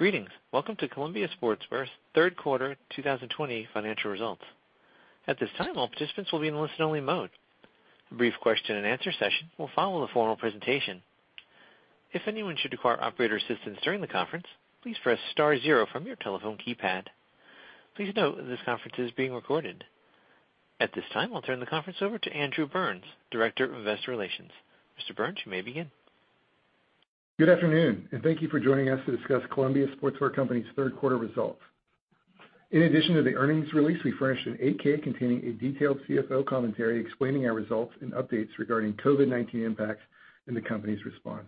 Greetings. Welcome to Columbia Sportswear's third quarter 2020 financial results. At this time, all participants will be in listen only mode. A brief question and answer session will follow the formal presentation. If anyone should require operator assistance during the conference, please press star zero from your telephone keypad. Please note this conference is being recorded. At this time, I'll turn the conference over to Andrew Burns, Director of Investor Relations. Mr. Burns, you may begin. Good afternoon. Thank you for joining us to discuss Columbia Sportswear Company's third quarter results. In addition to the earnings release, we furnished an 8-K containing a detailed CFO commentary explaining our results and updates regarding COVID-19 impacts and the company's response.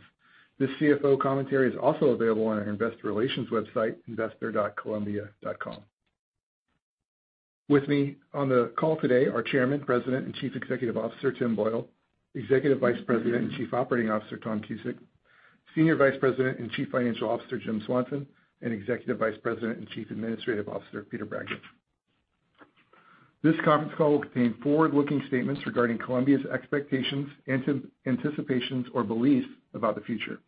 This CFO commentary is also available on our investor relations website, investor.columbia.com. With me on the call today are Chairman, President, and Chief Executive Officer, Tim Boyle, Executive Vice President and Chief Operating Officer, Tom Cusick, Senior Vice President and Chief Financial Officer, Jim Swanson, and Executive Vice President and Chief Administrative Officer, Peter Bragdon. This conference call will contain forward-looking statements regarding Columbia's expectations, anticipations, or beliefs about the future.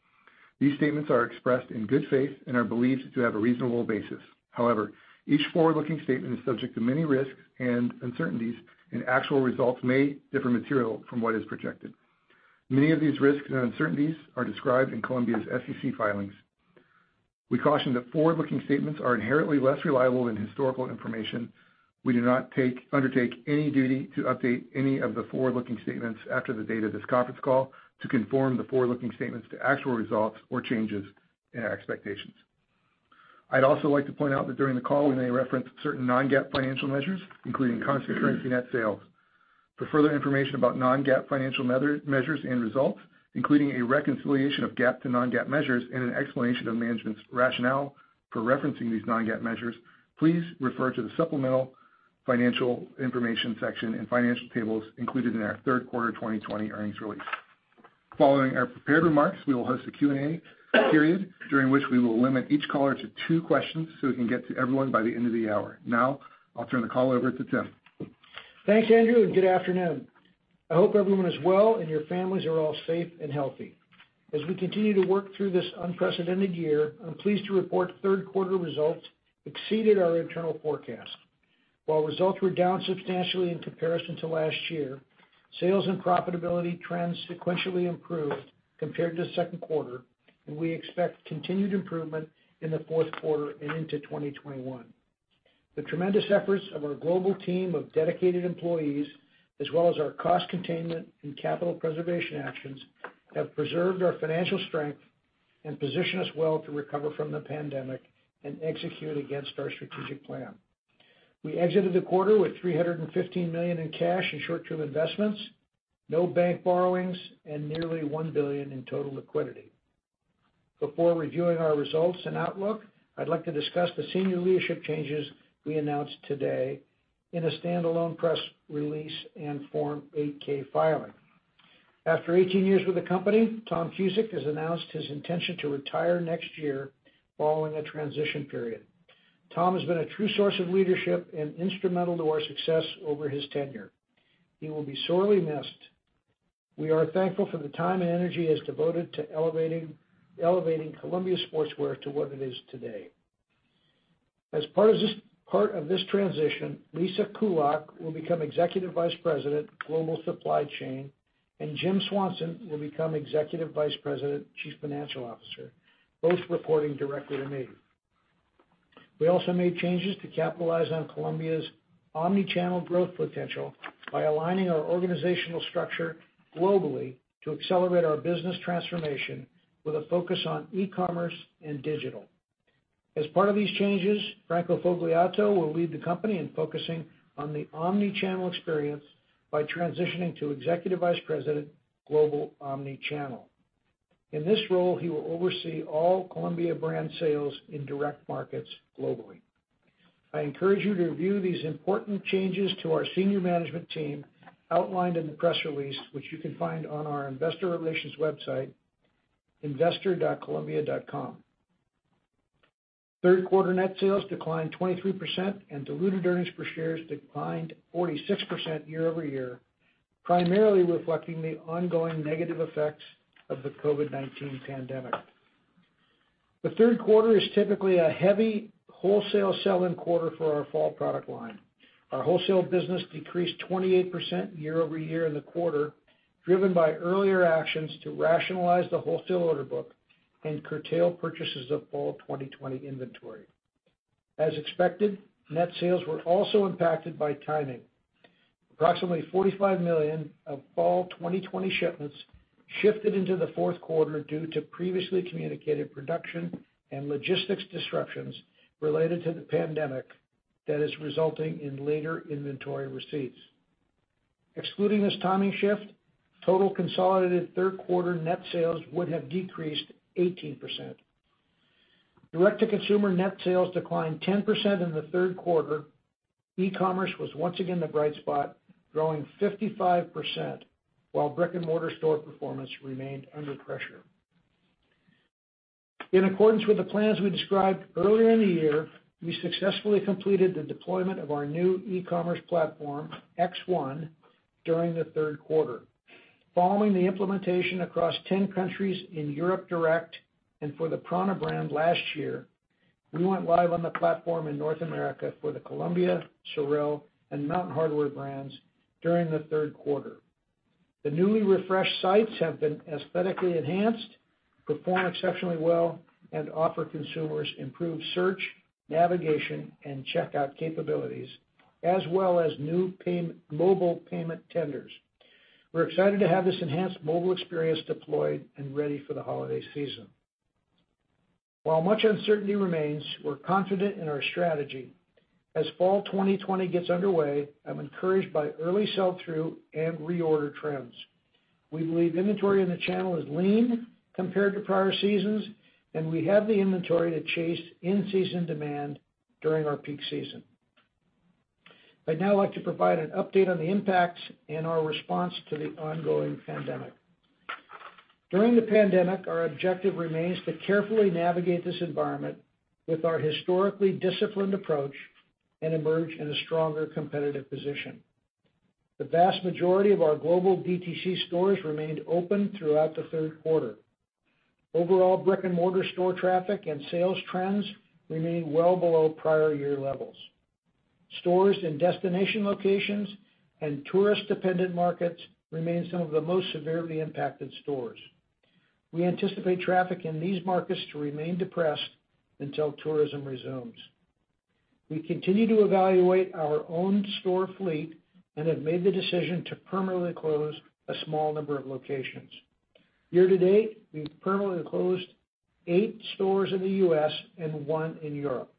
These statements are expressed in good faith and are believed to have a reasonable basis. However, each forward-looking statement is subject to many risks and uncertainties, and actual results may differ materially from what is projected. Many of these risks and uncertainties are described in Columbia's SEC filings. We caution that forward-looking statements are inherently less reliable than historical information. We do not undertake any duty to update any of the forward-looking statements after the date of this conference call to conform the forward-looking statements to actual results or changes in our expectations. I'd also like to point out that during the call, we may reference certain non-GAAP financial measures, including constant currency net sales. For further information about non-GAAP financial measures and results, including a reconciliation of GAAP to non-GAAP measures and an explanation of management's rationale for referencing these non-GAAP measures, please refer to the supplemental financial information section and financial tables included in our third quarter 2020 earnings release. Following our prepared remarks, we will host a Q&A period, during which we will limit each caller to two questions so we can get to everyone by the end of the hour. Now, I'll turn the call over to Tim. Thanks, Andrew. Good afternoon. I hope everyone is well, and your families are all safe and healthy. As we continue to work through this unprecedented year, I'm pleased to report third quarter results exceeded our internal forecast. While results were down substantially in comparison to last year, sales and profitability trends sequentially improved compared to second quarter, and we expect continued improvement in the fourth quarter and into 2021. The tremendous efforts of our global team of dedicated employees, as well as our cost containment and capital preservation actions, have preserved our financial strength and position us well to recover from the pandemic and execute against our strategic plan. We exited the quarter with $315 million in cash and short-term investments, no bank borrowings, and nearly $1 billion in total liquidity. Before reviewing our results and outlook, I'd like to discuss the senior leadership changes we announced today in a standalone press release and Form 8-K filing. After 18 years with the company, Tom Cusick has announced his intention to retire next year following a transition period. Tom has been a true source of leadership and instrumental to our success over his tenure. He will be sorely missed. We are thankful for the time and energy he has devoted to elevating Columbia Sportswear to what it is today. As part of this transition, Lisa Kulok will become Executive Vice President, Global Supply Chain, and Jim Swanson will become Executive Vice President, Chief Financial Officer, both reporting directly to me. We also made changes to capitalize on Columbia's Omni-Channel growth potential by aligning our organizational structure globally to accelerate our business transformation with a focus on e-commerce and digital. As part of these changes, Franco Fogliato will lead the company in focusing on the omni-channel experience by transitioning to Executive Vice President, Global Omni-Channel. In this role, he will oversee all Columbia brand sales in direct markets globally. I encourage you to review these important changes to our senior management team outlined in the press release, which you can find on our investor relations website, investor.columbia.com. Third quarter net sales declined 23%, and diluted earnings per share declined 46% year-over-year, primarily reflecting the ongoing negative effects of the COVID-19 pandemic. The third quarter is typically a heavy wholesale sell-in quarter for our fall product line. Our wholesale business decreased 28% year-over-year in the quarter, driven by earlier actions to rationalize the wholesale order book and curtail purchases of fall 2020 inventory. As expected, net sales were also impacted by timing. Approximately $45 million of fall 2020 shipments shifted into the fourth quarter due to previously communicated production and logistics disruptions related to the pandemic that is resulting in later inventory receipts. Excluding this timing shift, total consolidated third quarter net sales would have decreased 18%. Direct-to-consumer net sales declined 10% in the third quarter. E-commerce was once again the bright spot, growing 55%, while brick-and-mortar store performance remained under pressure. In accordance with the plans we described earlier in the year, we successfully completed the deployment of our new e-commerce platform, X1, during the third quarter. Following the implementation across 10 countries in Europe direct and for the prAna brand last year, we went live on the platform in North America for the Columbia, SOREL, and Mountain Hardwear brands during the third quarter. The newly refreshed sites have been aesthetically enhanced, perform exceptionally well, and offer consumers improved search, navigation, and checkout capabilities, as well as new mobile payment tenders. We're excited to have this enhanced mobile experience deployed and ready for the holiday season. While much uncertainty remains, we're confident in our strategy. As fall 2020 gets underway, I'm encouraged by early sell-through and reorder trends. We believe inventory in the channel is lean compared to prior seasons, and we have the inventory to chase in-season demand during our peak season. I'd now like to provide an update on the impacts and our response to the ongoing pandemic. During the pandemic, our objective remains to carefully navigate this environment with our historically disciplined approach and emerge in a stronger competitive position. The vast majority of our global DTC stores remained open throughout the third quarter. Overall brick-and-mortar store traffic and sales trends remain well below prior year levels. Stores in destination locations and tourist-dependent markets remain some of the most severely impacted stores. We anticipate traffic in these markets to remain depressed until tourism resumes. We continue to evaluate our own store fleet and have made the decision to permanently close a small number of locations. Year-to-date, we've permanently closed eight stores in the U.S. and one in Europe.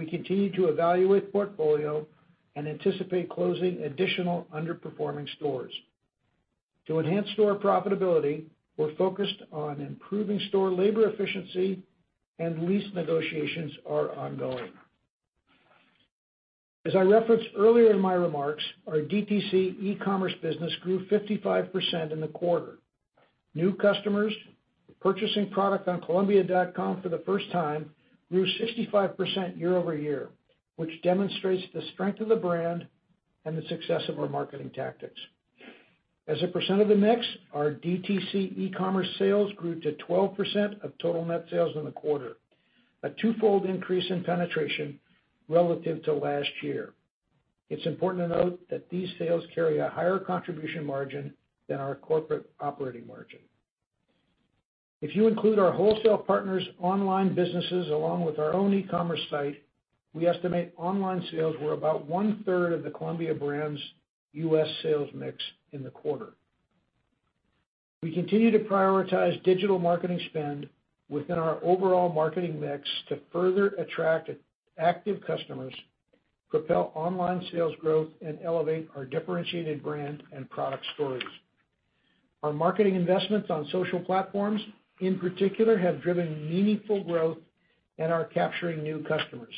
We continue to evaluate the portfolio and anticipate closing additional underperforming stores. To enhance store profitability, we're focused on improving store labor efficiency and lease negotiations are ongoing. As I referenced earlier in my remarks, our DTC e-commerce business grew 55% in the quarter. New customers purchasing product on columbia.com for the first time grew 65% year-over-year, which demonstrates the strength of the brand and the success of our marketing tactics. As a percent of the mix, our DTC e-commerce sales grew to 12% of total net sales in the quarter, a twofold increase in penetration relative to last year. It's important to note that these sales carry a higher contribution margin than our corporate operating margin. If you include our wholesale partners' online businesses along with our own e-commerce site, we estimate online sales were about one-third of the Columbia brand's U.S. sales mix in the quarter. We continue to prioritize digital marketing spend within our overall marketing mix to further attract active customers, propel online sales growth, and elevate our differentiated brand and product stories. Our marketing investments on social platforms, in particular, have driven meaningful growth and are capturing new customers.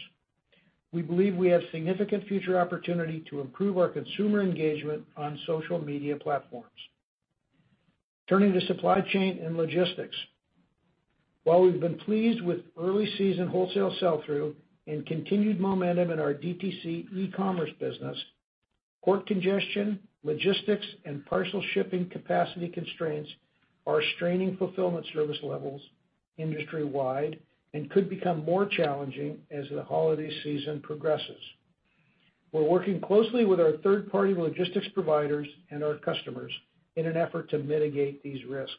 We believe we have significant future opportunity to improve our consumer engagement on social media platforms. Turning to supply chain and logistics. While we've been pleased with early season wholesale sell-through and continued momentum in our DTC e-commerce business, port congestion, logistics, and parcel shipping capacity constraints are straining fulfillment service levels industry-wide and could become more challenging as the holiday season progresses. We're working closely with our third-party logistics providers and our customers in an effort to mitigate these risks.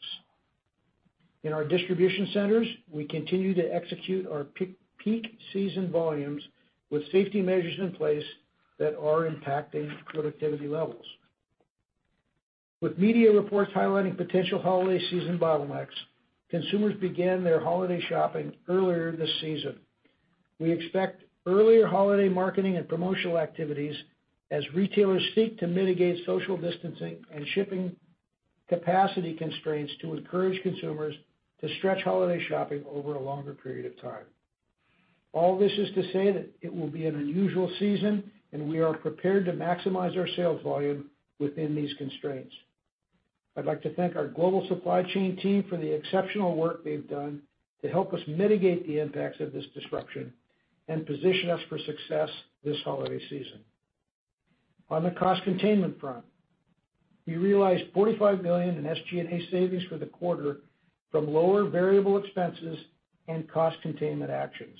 In our distribution centers, we continue to execute our peak season volumes with safety measures in place that are impacting productivity levels. With media reports highlighting potential holiday season bottlenecks, consumers began their holiday shopping earlier this season. We expect earlier holiday marketing and promotional activities as retailers seek to mitigate social distancing and shipping capacity constraints to encourage consumers to stretch holiday shopping over a longer period of time. All this is to say that it will be an unusual season, and we are prepared to maximize our sales volume within these constraints. I'd like to thank our global supply chain team for the exceptional work they've done to help us mitigate the impacts of this disruption and position us for success this holiday season. On the cost containment front, we realized $45 million in SG&A savings for the quarter from lower variable expenses and cost containment actions.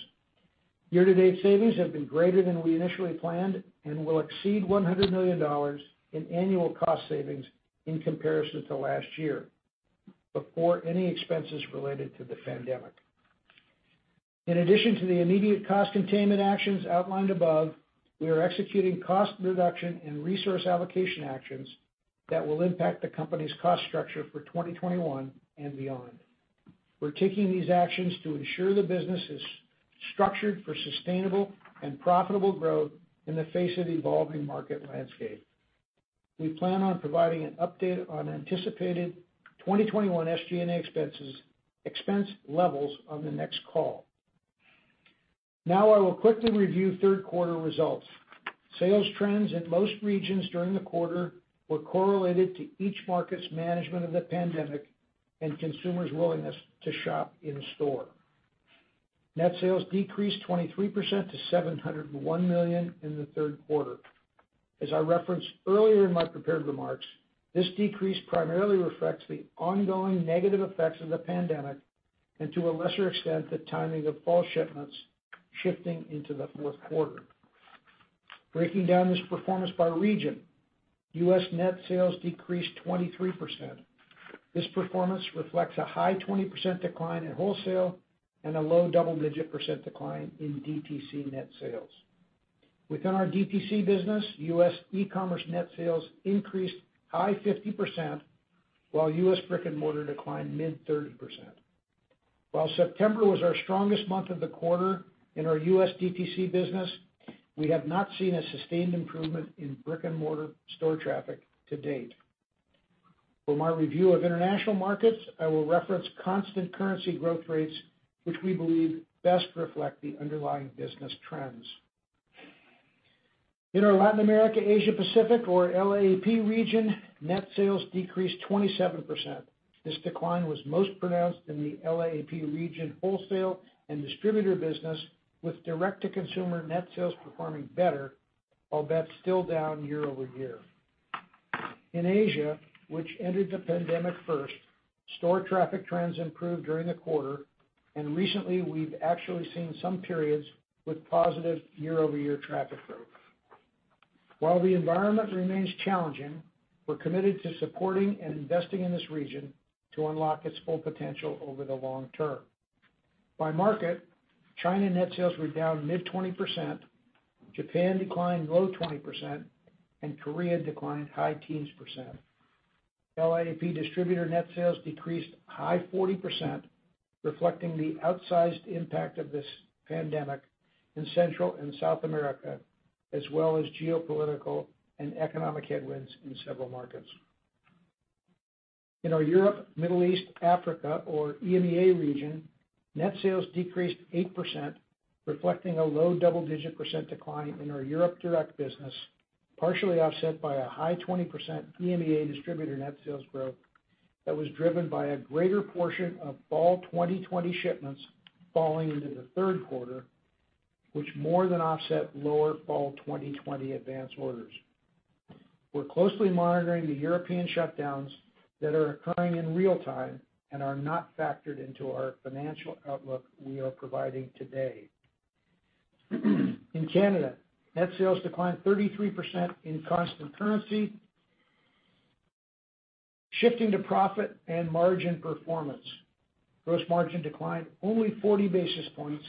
Year-to-date savings have been greater than we initially planned and will exceed $100 million in annual cost savings in comparison to last year before any expenses related to the pandemic. In addition to the immediate cost containment actions outlined above, we are executing cost reduction and resource allocation actions that will impact the company's cost structure for 2021 and beyond. We're taking these actions to ensure the business is structured for sustainable and profitable growth in the face of evolving market landscape. We plan on providing an update on anticipated 2021 SG&A expense levels on the next call. I will quickly review third quarter results. Sales trends in most regions during the quarter were correlated to each market's management of the pandemic and consumers' willingness to shop in store. Net sales decreased 23% to $701 million in the third quarter. As I referenced earlier in my prepared remarks, this decrease primarily reflects the ongoing negative effects of the pandemic, and to a lesser extent, the timing of fall shipments shifting into the fourth quarter. Breaking down this performance by region, U.S. net sales decreased 23%. This performance reflects a high 20% decline in wholesale and a low double-digit % decline in DTC net sales. Within our DTC business, U.S. e-commerce net sales increased a high 50%, while U.S. brick and mortar declined mid 30%. While September was our strongest month of the quarter in our U.S. DTC business, we have not seen a sustained improvement in brick and mortar store traffic to date. For my review of international markets, I will reference constant currency growth rates, which we believe best reflect the underlying business trends. In our Latin America, Asia Pacific, or LAAP region, net sales decreased 27%. This decline was most pronounced in the LAAP region wholesale and distributor business, with direct-to-consumer net sales performing better, albeit still down year-over-year. In Asia, which entered the pandemic first, store traffic trends improved during the quarter, and recently we've actually seen some periods with positive year-over-year traffic growth. While the environment remains challenging, we're committed to supporting and investing in this region to unlock its full potential over the long term. By market, China net sales were down mid 20%, Japan declined low 20%, and Korea declined high teens%. LAAP distributor net sales decreased high 40%, reflecting the outsized impact of this pandemic in Central and South America, as well as geopolitical and economic headwinds in several markets. In our Europe, Middle East, Africa, or EMEA region, net sales decreased 8%, reflecting a low double-digit% decline in our Europe direct business, partially offset by a high 20% EMEA distributor net sales growth that was driven by a greater portion of fall 2020 shipments falling into the third quarter, which more than offset lower fall 2020 advance orders. We're closely monitoring the European shutdowns that are occurring in real time and are not factored into our financial outlook we are providing today. In Canada, net sales declined 33% in constant currency. Shifting to profit and margin performance. Gross margin declined only 40 basis points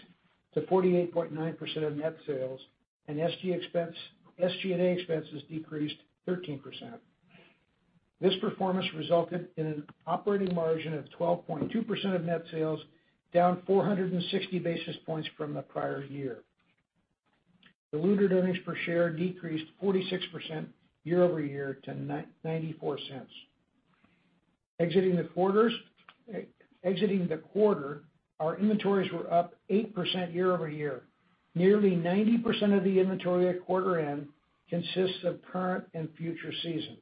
to 48.9% of net sales, and SG&A expenses decreased 13%. This performance resulted in an operating margin of 12.2% of net sales, down 460 basis points from the prior year. Diluted earnings per share decreased 46% year-over-year to $0.94. Exiting the quarter, our inventories were up 8% year-over-year. Nearly 90% of the inventory at quarter end consists of current and future seasons.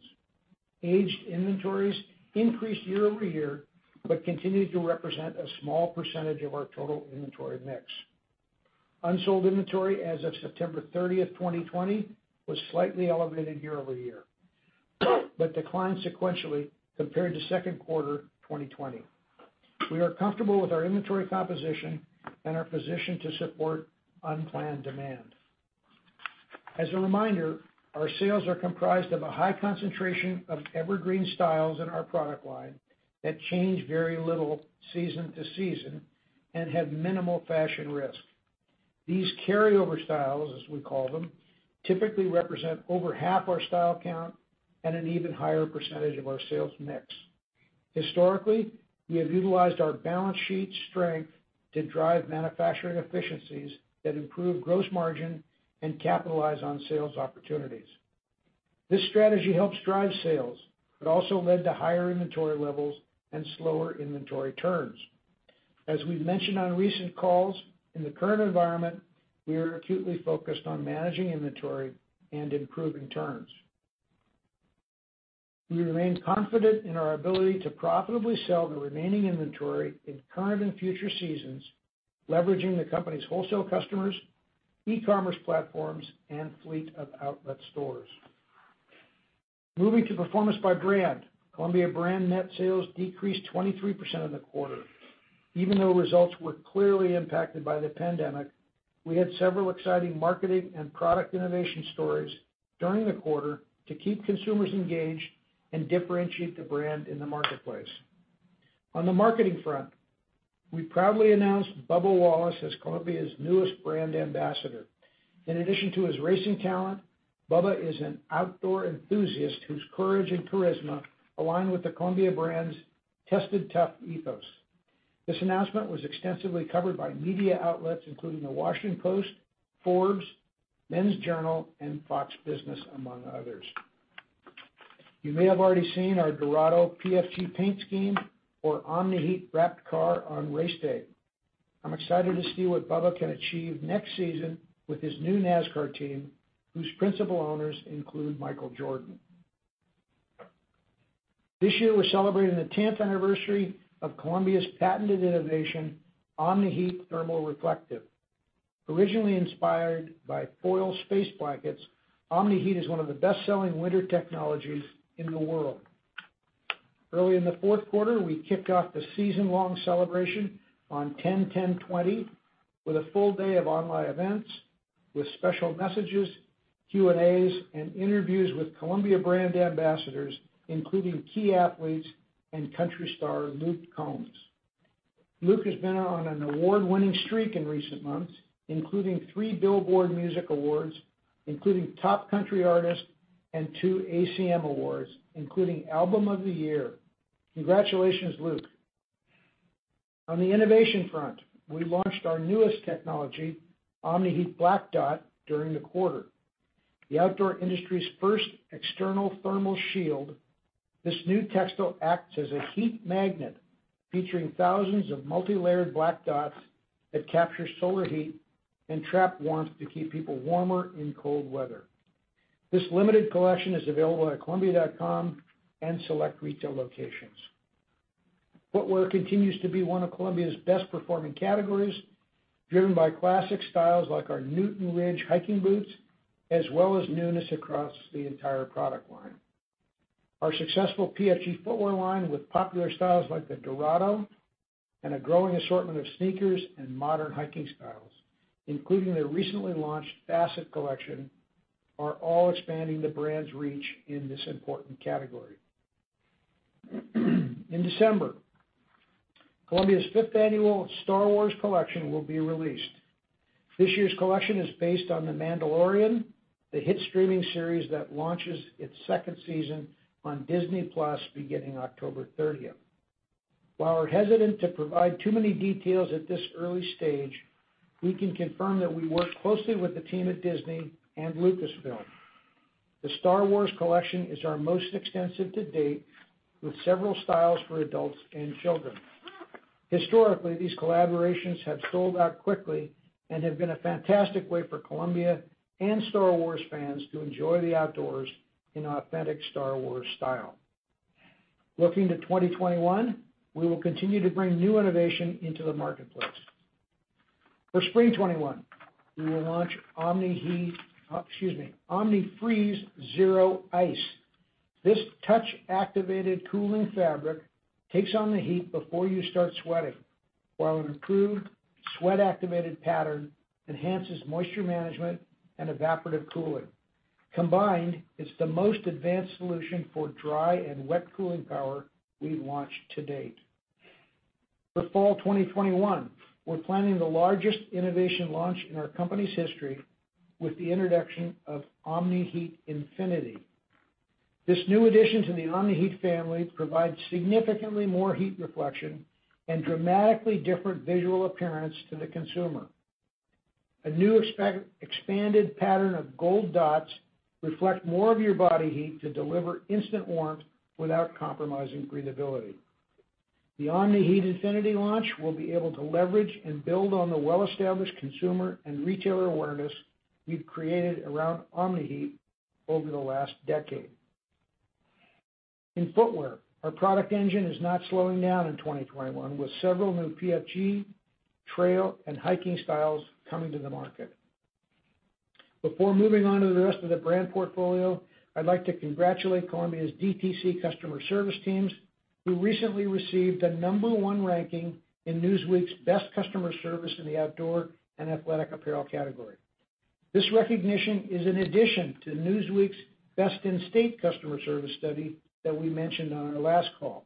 Aged inventories increased year-over-year, but continue to represent a small percentage of our total inventory mix. Unsold inventory as of September 30th, 2020, was slightly elevated year-over-year, but declined sequentially compared to second quarter 2020. We are comfortable with our inventory composition and our position to support unplanned demand. As a reminder, our sales are comprised of a high concentration of evergreen styles in our product line that change very little season to season and have minimal fashion risk. These carryover styles, as we call them, typically represent over half our style count and an even higher percentage of our sales mix. Historically, we have utilized our balance sheet strength to drive manufacturing efficiencies that improve gross margin and capitalize on sales opportunities. This strategy helps drive sales, but also led to higher inventory levels and slower inventory turns. As we've mentioned on recent calls, in the current environment, we are acutely focused on managing inventory and improving turns. We remain confident in our ability to profitably sell the remaining inventory in current and future seasons, leveraging the company's wholesale customers, e-commerce platforms, and fleet of outlet stores. Moving to performance by brand. Columbia brand net sales decreased 23% in the quarter. Even though results were clearly impacted by the pandemic, we had several exciting marketing and product innovation stories during the quarter to keep consumers engaged and differentiate the brand in the marketplace. On the marketing front, we proudly announced Bubba Wallace as Columbia's newest brand ambassador. In addition to his racing talent, Bubba is an outdoor enthusiast whose courage and charisma align with the Columbia brand's Tested Tough ethos. This announcement was extensively covered by media outlets including The Washington Post, Forbes, Men's Journal, and Fox Business, among others. You may have already seen our Dorado PFG paint scheme or Omni-Heat wrapped car on race day. I'm excited to see what Bubba can achieve next season with his new NASCAR team, whose principal owners include Michael Jordan. This year, we're celebrating the 10th anniversary of Columbia's patented innovation, Omni-Heat Thermal Reflective. Originally inspired by foil space blankets, Omni-Heat is one of the best-selling winter technologies in the world. Early in the fourth quarter, we kicked off the season-long celebration on 10/10/2020 with a full day of online events with special messages, Q&As, and interviews with Columbia brand ambassadors, including key athletes and country star Luke Combs. Luke has been on an award-winning streak in recent months, including three Billboard Music Awards, including Top Country Artist and two ACM Awards, including Album of the Year. Congratulations, Luke. On the innovation front, we launched our newest technology, Omni-Heat Black Dot, during the quarter. The outdoor industry's first external thermal shield, this new textile acts as a heat magnet, featuring thousands of multi-layered black dots that capture solar heat and trap warmth to keep people warmer in cold weather. This limited collection is available at columbia.com and select retail locations. Footwear continues to be one of Columbia's best performing categories, driven by classic styles like our Newton Ridge hiking boots, as well as newness across the entire product line. Our successful PFG footwear line with popular styles like the Dorado and a growing assortment of sneakers and modern hiking styles, including the recently launched Facet collection, are all expanding the brand's reach in this important category. In December, Columbia's fifth annual Star Wars collection will be released. This year's collection is based on "The Mandalorian," the hit streaming series that launches its second season on Disney+ beginning October 30th. While we're hesitant to provide too many details at this early stage, we can confirm that we work closely with the team at Disney and Lucasfilm. The Star Wars collection is our most extensive to date, with several styles for adults and children. Historically, these collaborations have sold out quickly and have been a fantastic way for Columbia and Star Wars fans to enjoy the outdoors in authentic Star Wars style. Looking to 2021, we will continue to bring new innovation into the marketplace. For spring 2021, we will launch Omni-Freeze Zero Ice. This touch-activated cooling fabric takes on the heat before you start sweating, while an improved sweat-activated pattern enhances moisture management and evaporative cooling. Combined, it's the most advanced solution for dry and wet cooling power we've launched to date. For fall 2021, we're planning the largest innovation launch in our company's history with the introduction of Omni-Heat Infinity. This new addition to the Omni-Heat family provides significantly more heat reflection and dramatically different visual appearance to the consumer. A new expanded pattern of gold dots reflect more of your body heat to deliver instant warmth without compromising breathability. The Omni-Heat Infinity launch will be able to leverage and build on the well-established consumer and retailer awareness we've created around Omni-Heat over the last decade. In footwear, our product engine is not slowing down in 2021, with several new PFG, trail, and hiking styles coming to the market. Before moving on to the rest of the brand portfolio, I'd like to congratulate Columbia's DTC customer service teams, who recently received a number one ranking in "Newsweek's" Best Customer Service in the Outdoor and Athletic Apparel category. This recognition is in addition to "Newsweek's" Best in State Customer Service study that we mentioned on our last call.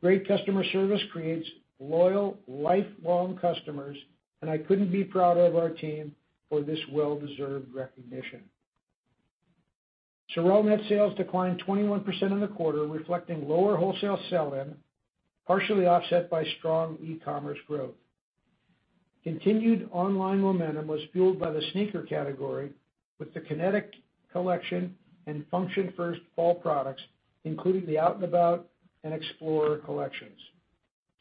Great customer service creates loyal, lifelong customers, and I couldn't be prouder of our team for this well-deserved recognition. SOREL net sales declined 21% in the quarter, reflecting lower wholesale sell-in, partially offset by strong e-commerce growth. Continued online momentum was fueled by the sneaker category with the Kinetic collection and function first fall products, including the Out'N About and Explorer collections.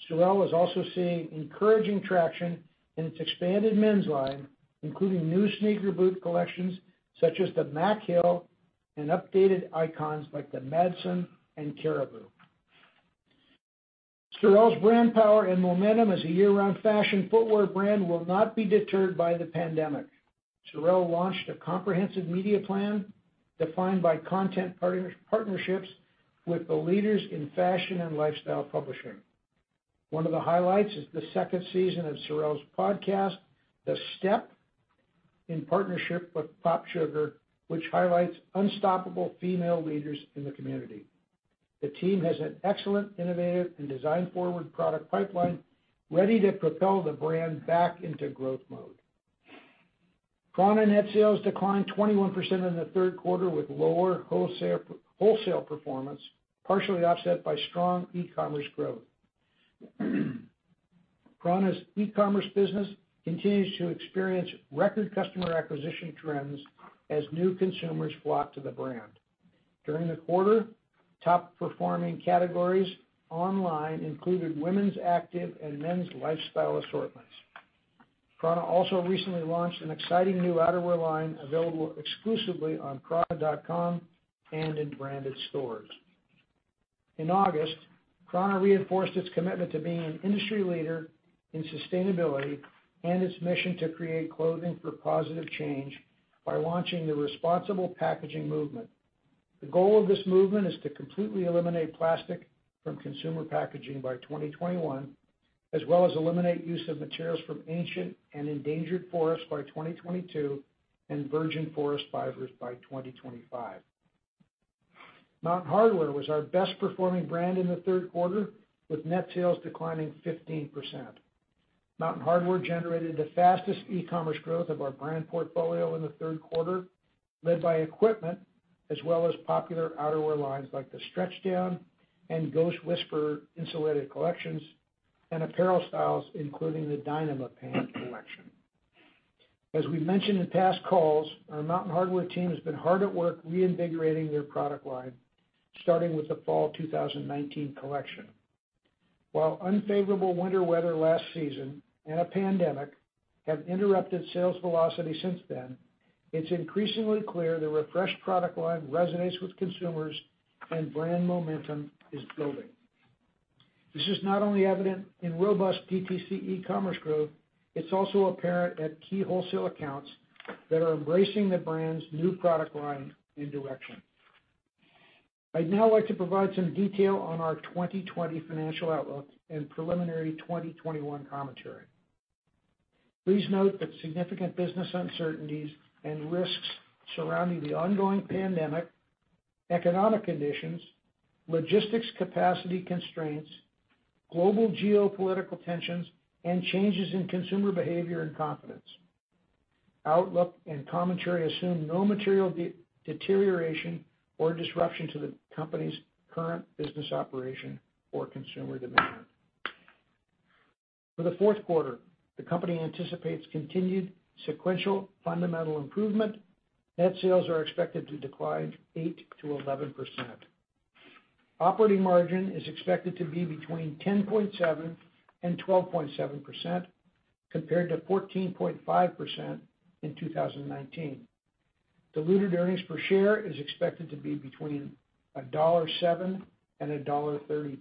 SOREL is also seeing encouraging traction in its expanded men's line, including new sneaker boot collections such as the Mac Hill and updated icons like the Madison and Caribou. SOREL's brand power and momentum as a year-round fashion footwear brand will not be deterred by the pandemic. SOREL launched a comprehensive media plan defined by content partnerships with the leaders in fashion and lifestyle publishing. One of the highlights is the second season of SOREL's podcast, "The Step", in partnership with POPSUGAR, which highlights unstoppable female leaders in the community. The team has an excellent, innovative, and design-forward product pipeline ready to propel the brand back into growth mode. prAna net sales declined 21% in the third quarter with lower wholesale performance, partially offset by strong e-commerce growth. prAna's e-commerce business continues to experience record customer acquisition trends as new consumers flock to the brand. During the quarter, top-performing categories online included women's active and men's lifestyle assortments. prAna also recently launched an exciting new outerwear line available exclusively on prana.com and in branded stores. In August, prAna reinforced its commitment to being an industry leader in sustainability and its mission to create clothing for positive change by launching the Responsible Packaging Movement. The goal of this movement is to completely eliminate plastic from consumer packaging by 2021, as well as eliminate use of materials from ancient and endangered forests by 2022, and virgin forest fibers by 2025. Mountain Hardwear was our best performing brand in the third quarter, with net sales declining 15%. Mountain Hardwear generated the fastest e-commerce growth of our brand portfolio in the third quarter, led by equipment, as well as popular outerwear lines like the Stretchdown and Ghost Whisperer insulated collections, and apparel styles including the Dynamo pant collection. As we mentioned in past calls, our Mountain Hardwear team has been hard at work reinvigorating their product line, starting with the fall 2019 collection. While unfavorable winter weather last season and a pandemic have interrupted sales velocity since then, it's increasingly clear the refreshed product line resonates with consumers and brand momentum is building. This is not only evident in robust DTC e-commerce growth, it's also apparent at key wholesale accounts that are embracing the brand's new product line and direction. I'd now like to provide some detail on our 2020 financial outlook and preliminary 2021 commentary. Please note that significant business uncertainties and risks surrounding the ongoing pandemic, economic conditions, logistics capacity constraints, global geopolitical tensions, and changes in consumer behavior and confidence. Outlook and commentary assume no material deterioration or disruption to the company's current business operation or consumer demand. For the fourth quarter, the company anticipates continued sequential fundamental improvement. Net sales are expected to decline 8%-11%. Operating margin is expected to be between 10.7% and 12.7%, compared to 14.5% in 2019. Diluted earnings per share is expected to be between $1.07 and $1.32.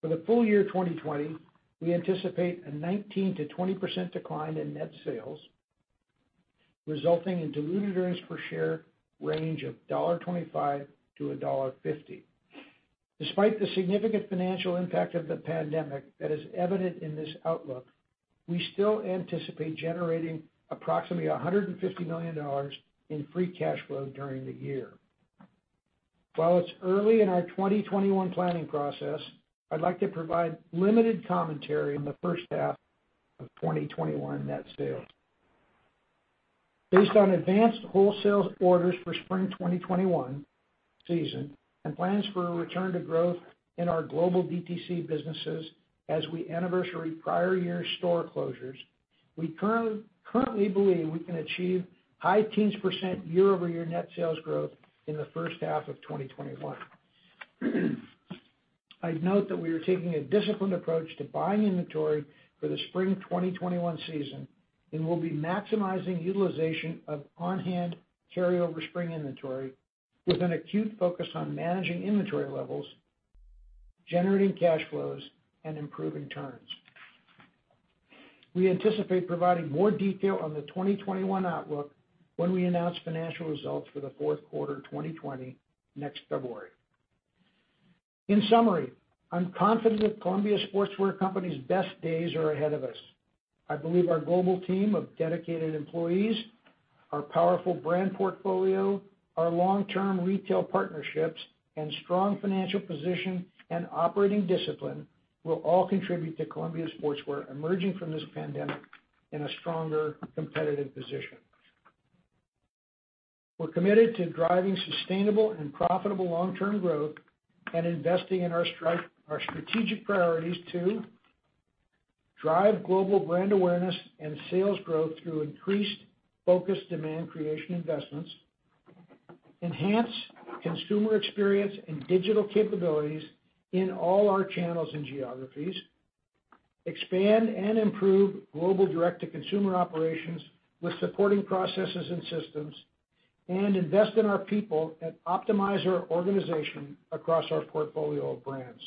For the full year 2020, we anticipate a 19%-20% decline in net sales, resulting in diluted earnings per share range of $1.25-$1.50. Despite the significant financial impact of the pandemic that is evident in this outlook, we still anticipate generating approximately $150 million in free cash flow during the year. While it's early in our 2021 planning process, I'd like to provide limited commentary on the first half of 2021 net sales. Based on advanced wholesale orders for spring 2021 season and plans for a return to growth in our global DTC businesses as we anniversary prior year store closures, we currently believe we can achieve high teens % year-over-year net sales growth in the first half of 2021. I'd note that we are taking a disciplined approach to buying inventory for the spring 2021 season, and we'll be maximizing utilization of on-hand carryover spring inventory with an acute focus on managing inventory levels, generating cash flows, and improving turns. We anticipate providing more detail on the 2021 outlook when we announce financial results for the fourth quarter 2020 next February. In summary, I'm confident that Columbia Sportswear Company's best days are ahead of us. I believe our global team of dedicated employees, our powerful brand portfolio, our long-term retail partnerships, and strong financial position and operating discipline will all contribute to Columbia Sportswear emerging from this pandemic in a stronger competitive position. We're committed to driving sustainable and profitable long-term growth and investing in our strategic priorities to drive global brand awareness and sales growth through increased focused demand creation investments, enhance consumer experience and digital capabilities in all our channels and geographies, expand and improve global direct-to-consumer operations with supporting processes and systems, and invest in our people and optimize our organization across our portfolio of brands.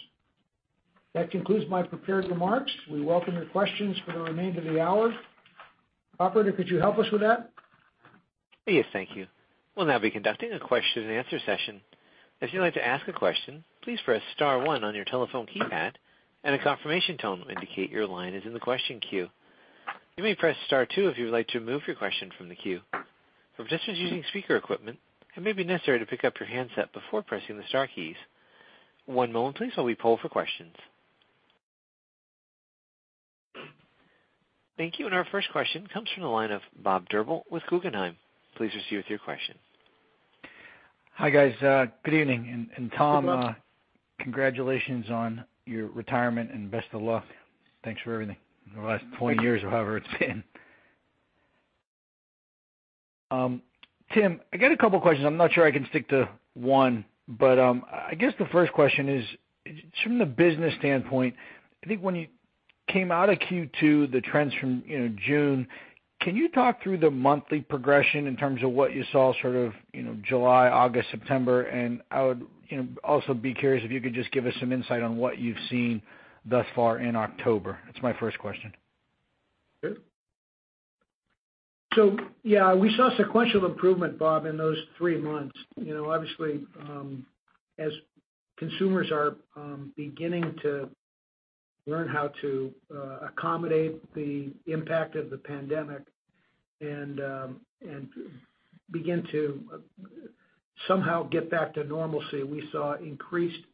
That concludes my prepared remarks. We welcome your questions for the remainder of the hour. Operator, could you help us with that? Yes, thank you. We'll now be conducting a question and answer session. If you'd like to ask a question, please press star one on your telephone keypad, and a confirmation tone will indicate your line is in the question queue. You may press star two if you would like to remove your question from the queue. For participants using speaker equipment, it may be necessary to pick up your handset before pressing the star keys. One moment please while we poll for questions. Thank you. Our first question comes from the line of Bob Drbul with Guggenheim. Please proceed with your question. Hi, guys. Good evening. Tom, congratulations on your retirement and best of luck. Thanks for everything over the last 20 years or however it's been. Tim, I got a couple questions. I'm not sure I can stick to one. I guess the first question is, from the business standpoint, I think when you came out of Q2, the trends from June, can you talk through the monthly progression in terms of what you saw sort of July, August, September? I would also be curious if you could just give us some insight on what you've seen thus far in October. That's my first question. Sure. Yeah, we saw sequential improvement, Bob, in those three months. Obviously, as consumers are beginning to learn how to accommodate the impact of the pandemic and begin to somehow get back to normalcy, we saw increased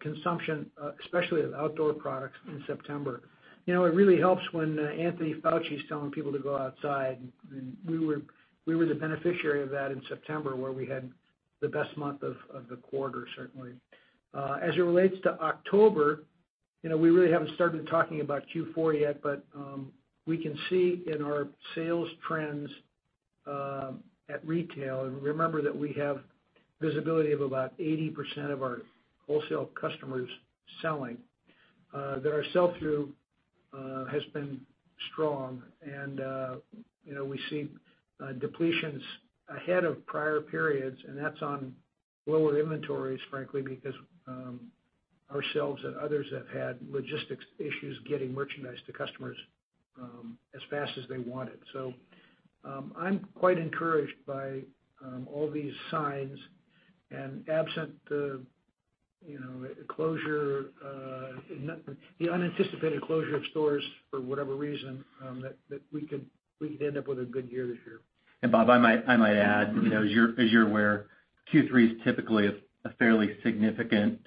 consumption, especially of outdoor products, in September. It really helps when Anthony Fauci's telling people to go outside, and we were the beneficiary of that in September, where we had the best month of the quarter, certainly. As it relates to October, we really haven't started talking about Q4 yet, but we can see in our sales trends at retail, and remember that we have visibility of about 80% of our wholesale customers selling, that our sell-through has been strong. We see depletions ahead of prior periods, and that's on lower inventories, frankly, because ourselves and others have had logistics issues getting merchandise to customers as fast as they want it. I'm quite encouraged by all these signs and absent the unanticipated closure of stores for whatever reason, that we could end up with a good year this year. Bob, I might add, as you're aware, Q3 is typically a fairly significant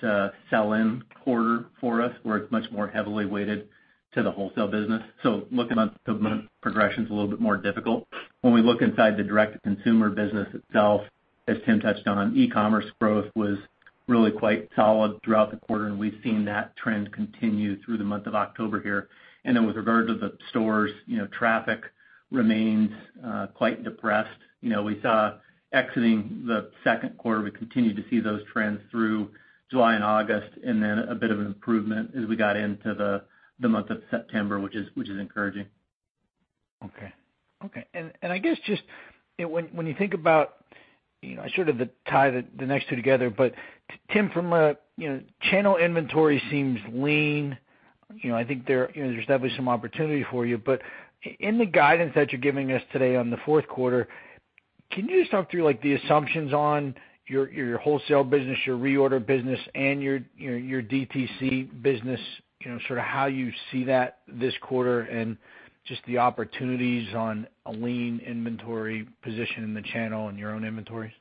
sell-in quarter for us, where it's much more heavily weighted to the wholesale business. Looking at month-to-month progression's a little bit more difficult. When we look inside the direct-to-consumer business itself, as Tim touched on, e-commerce growth was really quite solid throughout the quarter, and we've seen that trend continue through the month of October here. With regard to the stores, traffic remains quite depressed. We saw exiting the second quarter, we continued to see those trends through July and August, and then a bit of an improvement as we got into the month of September, which is encouraging. Okay. Sort of to tie the next two together, Tim, from a channel inventory seems lean. I think there's definitely some opportunity for you. In the guidance that you're giving us today on the fourth quarter, can you just talk through the assumptions on your wholesale business, your reorder business, and your DTC business, sort of how you see that this quarter and just the opportunities on a lean inventory position in the channel and your own inventories?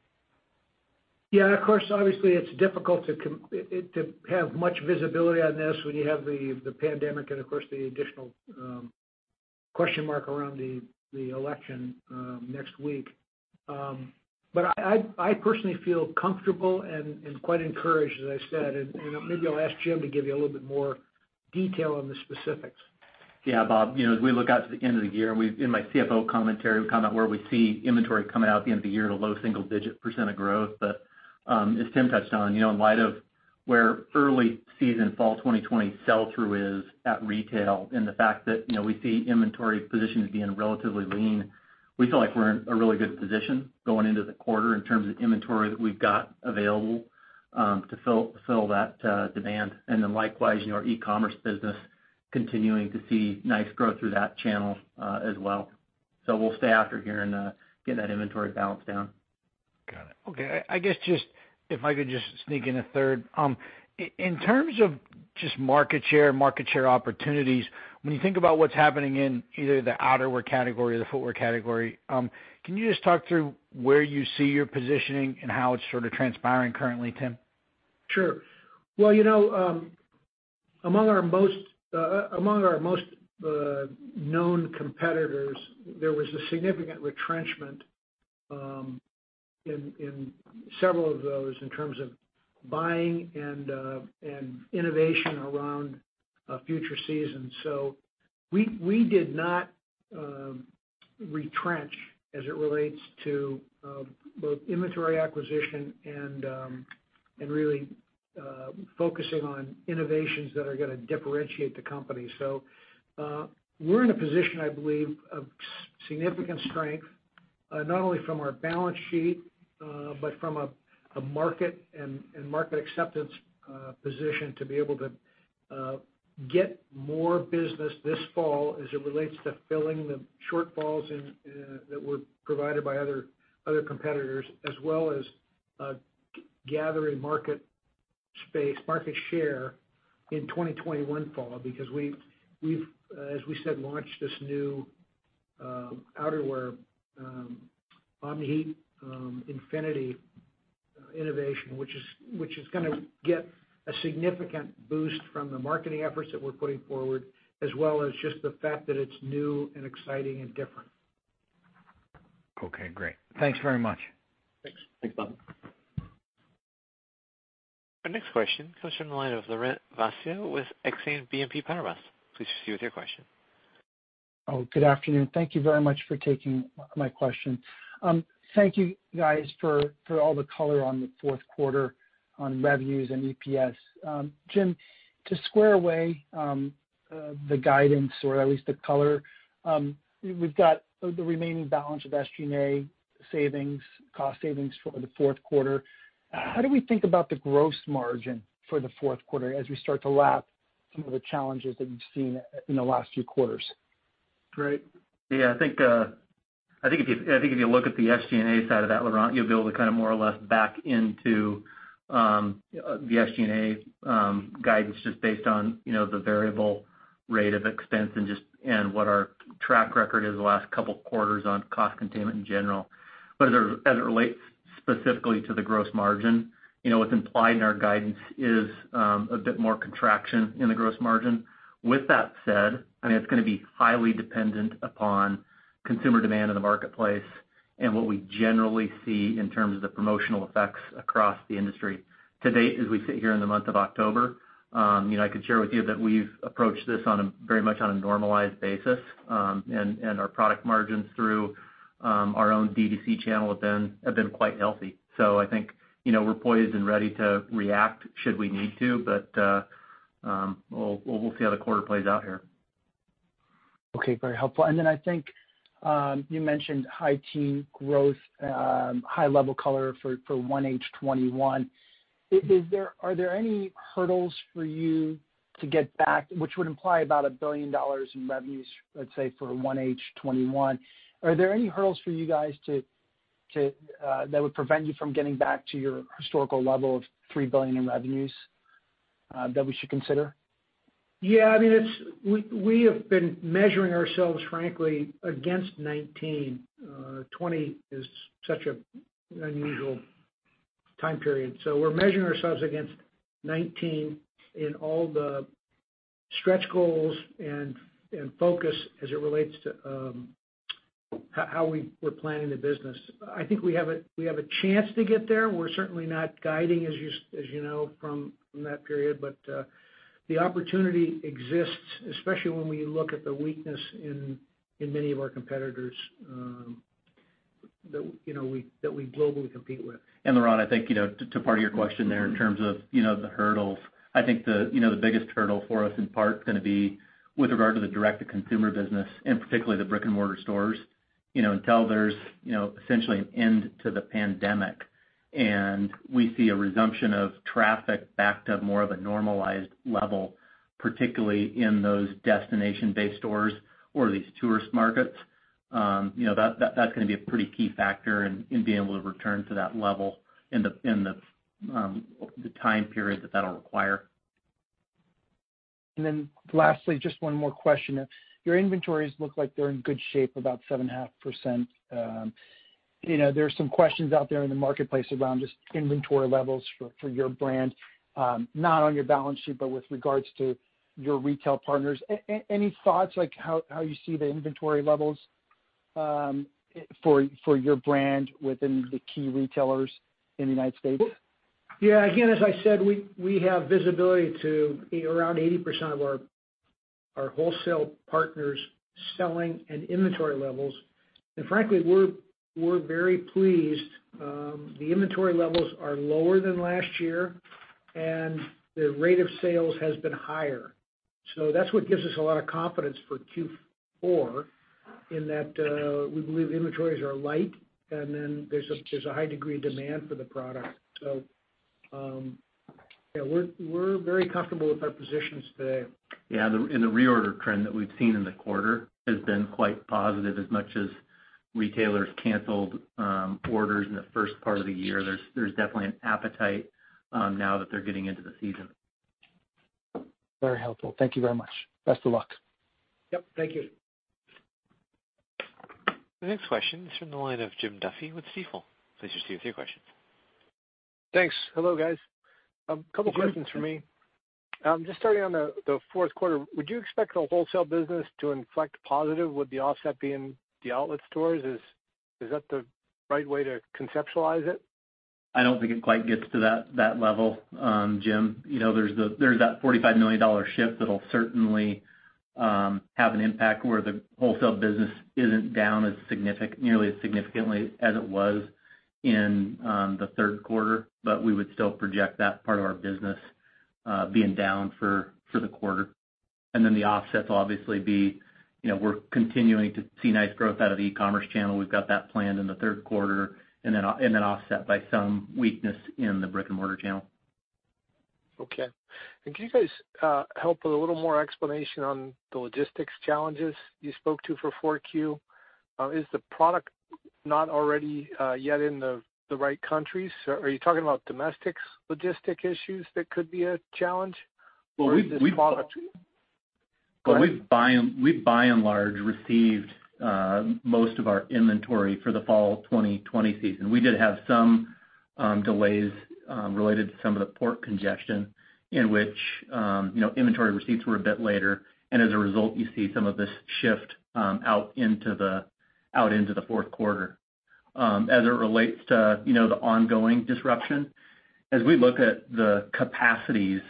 Yeah, of course, obviously, it's difficult to have much visibility on this when you have the pandemic and of course, the additional question mark around the election next week. I personally feel comfortable and quite encouraged, as I said. Maybe I'll ask Jim to give you a little bit more detail on the specifics. Bob. As we look out to the end of the year, in my CFO commentary, we comment where we see inventory coming out at the end of the year at a low 1-digit percent of growth. As Tim touched on, in light of where early season fall 2020 sell-through is at retail and the fact that we see inventory positions being relatively lean, we feel like we're in a really good position going into the quarter in terms of inventory that we've got available to fill that demand. Likewise, our e-commerce business continuing to see nice growth through that channel as well. We'll stay after here and get that inventory balance down. Got it. Okay. I guess if I could just sneak in a third. In terms of just market share and market share opportunities, when you think about what's happening in either the outerwear category or the footwear category, can you just talk through where you see your positioning and how it's sort of transpiring currently, Tim? Sure. Well, among our most known competitors, there was a significant retrenchment in several of those in terms of buying and innovation around a future season. We did not retrench as it relates to both inventory acquisition and really focusing on innovations that are going to differentiate the company. We're in a position, I believe, of significant strength, not only from our balance sheet, but from a market and market acceptance position to be able to get more business this fall as it relates to filling the shortfalls that were provided by other competitors as well as gathering market space, market share in 2021 fall. Because we've, as we said, launched this new outerwear Omni-Heat Infinity innovation, which is going to get a significant boost from the marketing efforts that we're putting forward, as well as just the fact that it's new and exciting and different. Okay, great. Thanks very much. Thanks. Thanks, Bob. Our next question comes from the line of Laurent Vasilescu with Exane BNP Paribas. Please proceed with your question. Good afternoon. Thank you very much for taking my question. Thank you, guys, for all the color on the fourth quarter on revenues and EPS. Jim, to square away the guidance or at least the color, we've got the remaining balance of SG&A cost savings for the fourth quarter. How do we think about the gross margin for the fourth quarter as we start to lap some of the challenges that we've seen in the last few quarters? Great. I think if you look at the SG&A side of that, Laurent, you'll be able to more or less back into the SG&A guidance just based on the variable rate of expense and what our track record is the last couple of quarters on cost containment in general. As it relates specifically to the gross margin, what's implied in our guidance is a bit more contraction in the gross margin. With that said, it's going to be highly dependent upon consumer demand in the marketplace and what we generally see in terms of the promotional effects across the industry. To date, as we sit here in the month of October, I could share with you that we've approached this very much on a normalized basis, and our product margins through our own D2C channel have been quite healthy. I think we're poised and ready to react should we need to, but we'll see how the quarter plays out here. Okay. Very helpful. I think you mentioned high teen growth, high level color for 1H21. Are there any hurdles for you to get back, which would imply about $1 billion in revenues, let’s say, for 1H21? Are there any hurdles for you guys that would prevent you from getting back to your historical level of $3 billion in revenues that we should consider? We have been measuring ourselves, frankly, against 2019. 2020 is such an unusual time period. We're measuring ourselves against 2019 in all the stretch goals and focus as it relates to how we were planning the business. I think we have a chance to get there. We're certainly not guiding, as you know, from that period, but the opportunity exists, especially when we look at the weakness in many of our competitors that we globally compete with. Laurent, I think to part of your question there in terms of the hurdles, I think the biggest hurdle for us, in part, is going to be with regard to the direct-to-consumer business, and particularly the brick and mortar stores, until there's essentially an end to the pandemic and we see a resumption of traffic back to more of a normalized level, particularly in those destination-based stores or these tourist markets. That's going to be a pretty key factor in being able to return to that level in the time period that that'll require. Lastly, just one more question. Your inventories look like they're in good shape, about 7.5%. There's some questions out there in the marketplace around just inventory levels for your brand, not on your balance sheet, but with regards to your retail partners. Any thoughts, like how you see the inventory levels for your brand within the key retailers in the U.S.? Yeah. Again, as I said, we have visibility to around 80% of our wholesale partners selling and inventory levels. Frankly, we're very pleased. The inventory levels are lower than last year, and the rate of sales has been higher. That's what gives us a lot of confidence for Q4, in that we believe inventories are light, and then there's a high degree of demand for the product. Yeah, we're very comfortable with our positions today. Yeah. The reorder trend that we've seen in the quarter has been quite positive as much as retailers canceled orders in the first part of the year. There's definitely an appetite now that they're getting into the season. Very helpful. Thank you very much. Best of luck. Yep, thank you. The next question is from the line of Jim Duffy with Stifel. Please proceed with your questions. Thanks. Hello, guys. Couple questions from me. Just starting on the fourth quarter, would you expect the wholesale business to inflect positive with the offset being the outlet stores? Is that the right way to conceptualize it? I don't think it quite gets to that level, Jim. There's that $45 million shift that'll certainly have an impact where the wholesale business isn't down nearly as significantly as it was in the third quarter, but we would still project that part of our business being down for the quarter. The offsets will obviously be, we're continuing to see nice growth out of the e-commerce channel. We've got that planned in the third quarter and then offset by some weakness in the brick and mortar channel. Okay. Can you guys help with a little more explanation on the logistics challenges you spoke to for 4Q? Is the product not already yet in the right countries? Are you talking about domestic logistics issues that could be a challenge? We've by and large received most of our inventory for the fall 2020 season. We did have some delays related to some of the port congestion in which inventory receipts were a bit later, and as a result, you see some of this shift out into the fourth quarter. As it relates to the ongoing disruption. As we look at the capacities,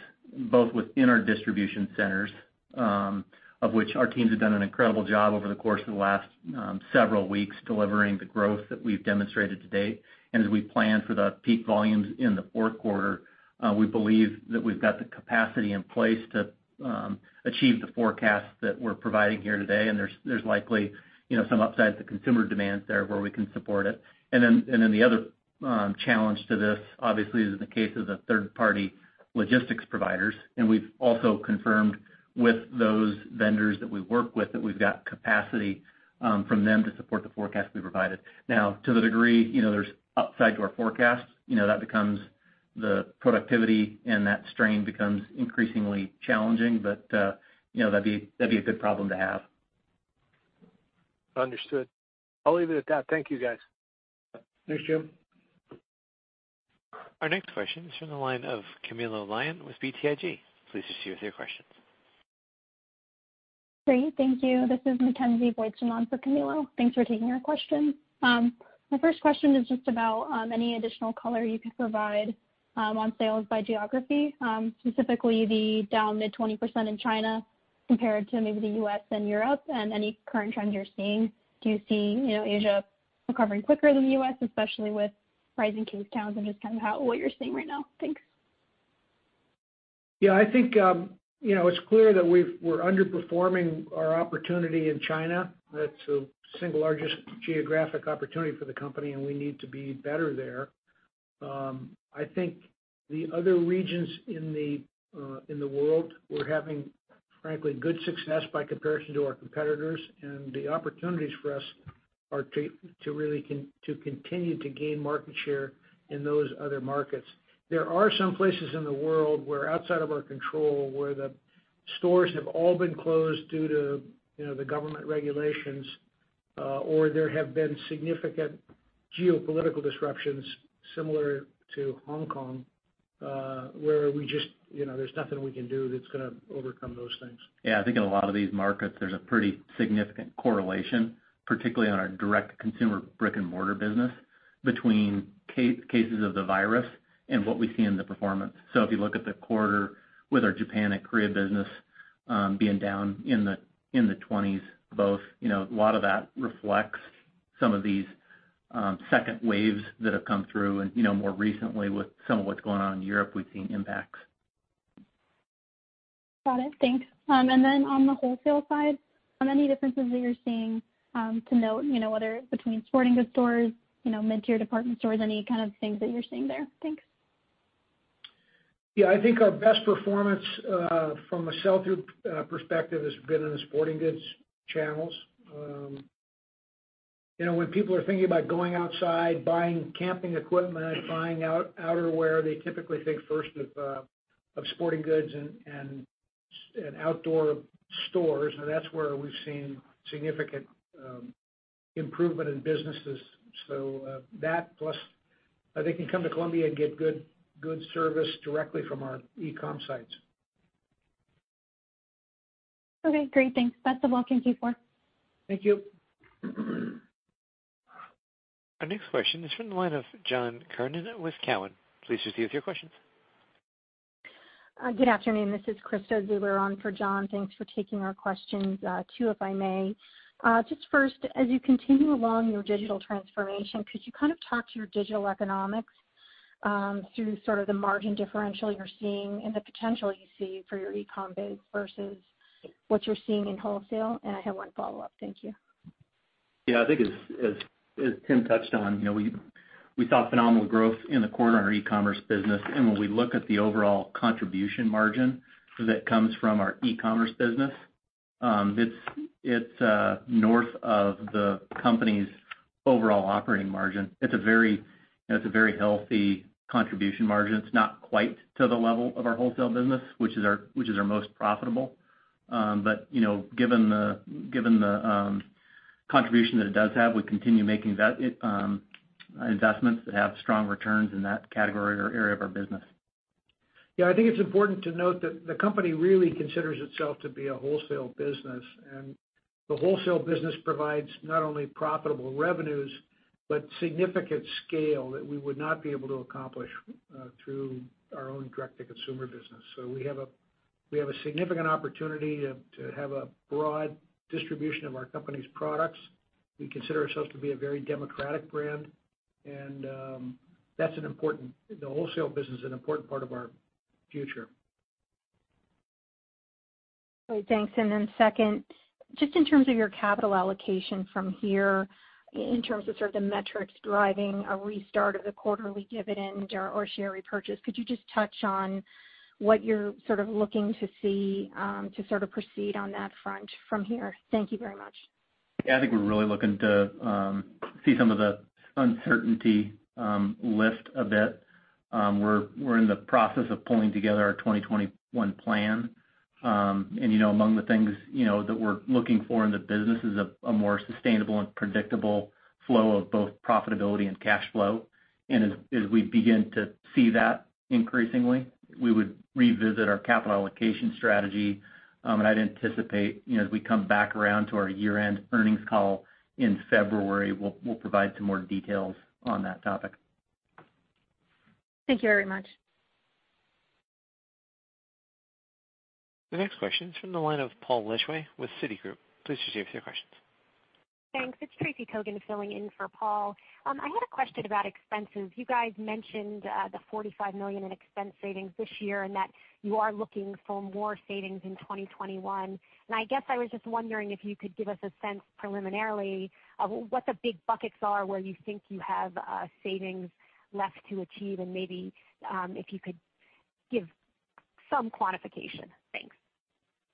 both within our distribution centers, of which our teams have done an incredible job over the course of the last several weeks, delivering the growth that we've demonstrated to date. As we plan for the peak volumes in the fourth quarter, we believe that we've got the capacity in place to achieve the forecast that we're providing here today. There's likely some upside to consumer demand there where we can support it. The other challenge to this, obviously, is in the case of the third-party logistics providers. We've also confirmed with those vendors that we work with that we've got capacity from them to support the forecast we provided. Now, to the degree there's upside to our forecast, that becomes the productivity, and that strain becomes increasingly challenging. That'd be a good problem to have. Understood. I'll leave it at that. Thank you guys. Thanks, Jim. Our next question is from the line of Camilo Lyon with BTIG. Please proceed with your questions. Great. Thank you. This is Mackenzie Boydston on for Camilo. Thanks for taking our question. My first question is just about any additional color you could provide on sales by geography. Specifically, the down to 20% in China compared to maybe the U.S. and Europe, and any current trends you're seeing. Do you see Asia recovering quicker than the U.S., especially with rising case counts, and just kind of what you're seeing right now? Thanks. Yeah, I think, it's clear that we're underperforming our opportunity in China. That's the single largest geographic opportunity for the company, and we need to be better there. I think the other regions in the world, we're having, frankly, good success by comparison to our competitors, and the opportunities for us are to continue to gain market share in those other markets. There are some places in the world where, outside of our control, where the stores have all been closed due to the government regulations, or there have been significant geopolitical disruptions similar to Hong Kong, where there's nothing we can do that's going to overcome those things. Yeah, I think in a lot of these markets, there's a pretty significant correlation, particularly on our direct-to-consumer brick-and-mortar business, between cases of the virus and what we see in the performance. If you look at the quarter with our Japan and Korea business being down in the 20s, both. A lot of that reflects some of these second waves that have come through. More recently, with some of what's gone on in Europe, we've seen impacts. Got it. Thanks. On the wholesale side, any differences that you're seeing to note, whether between sporting goods stores, mid-tier department stores, any kind of things that you're seeing there? Thanks. Yeah, I think our best performance from a sell-through perspective has been in the sporting goods channels. When people are thinking about going outside, buying camping equipment, buying outerwear, they typically think first of sporting goods and outdoor stores. That's where we've seen significant improvement in businesses. That, plus they can come to Columbia and get good service directly from our e-com sites. Okay, great. Thanks. That's the walk and Q4. Thank you. Our next question is from the line of John Kernan with Cowen. Please proceed with your questions. Good afternoon. This is Krista Zuber on for John. Thanks for taking our questions. Two, if I may. Just first, as you continue along your digital transformation, could you kind of talk to your digital economics through sort of the margin differential you're seeing and the potential you see for your e-com biz versus what you're seeing in wholesale? I have one follow-up. Thank you. Yeah, I think as Tim touched on, we saw phenomenal growth in the quarter on our e-commerce business. When we look at the overall contribution margin that comes from our e-commerce business, it's north of the company's overall operating margin. It's a very healthy contribution margin. It's not quite to the level of our wholesale business, which is our most profitable. Given the contribution that it does have, we continue making investments that have strong returns in that category or area of our business. Yeah, I think it's important to note that the company really considers itself to be a wholesale business. The wholesale business provides not only profitable revenues, but significant scale that we would not be able to accomplish through our own direct-to-consumer business. We have a significant opportunity to have a broad distribution of our company's products. We consider ourselves to be a very democratic brand, and the wholesale business is an important part of our future. Great. Thanks. Second, just in terms of your capital allocation from here, in terms of sort of the metrics driving a restart of the quarterly dividend or share repurchase, could you just touch on what you're sort of looking to see to sort of proceed on that front from here? Thank you very much. Yeah, I think we're really looking to see some of the uncertainty lift a bit. We're in the process of pulling together our 2021 plan. Among the things that we're looking for in the business is a more sustainable and predictable flow of both profitability and cash flow. As we begin to see that increasingly, we would revisit our capital allocation strategy. I'd anticipate, as we come back around to our year-end earnings call in February, we'll provide some more details on that topic. Thank you very much. The next question is from the line of Paul Lejuez with Citigroup. Please proceed with your questions. Thanks. It's Tracy Kogan filling in for Paul. I had a question about expenses. You guys mentioned the $45 million in expense savings this year, and that you are looking for more savings in 2021, and I guess I was just wondering if you could give us a sense preliminarily of what the big buckets are, where you think you have savings left to achieve, and maybe, if you could give some quantification.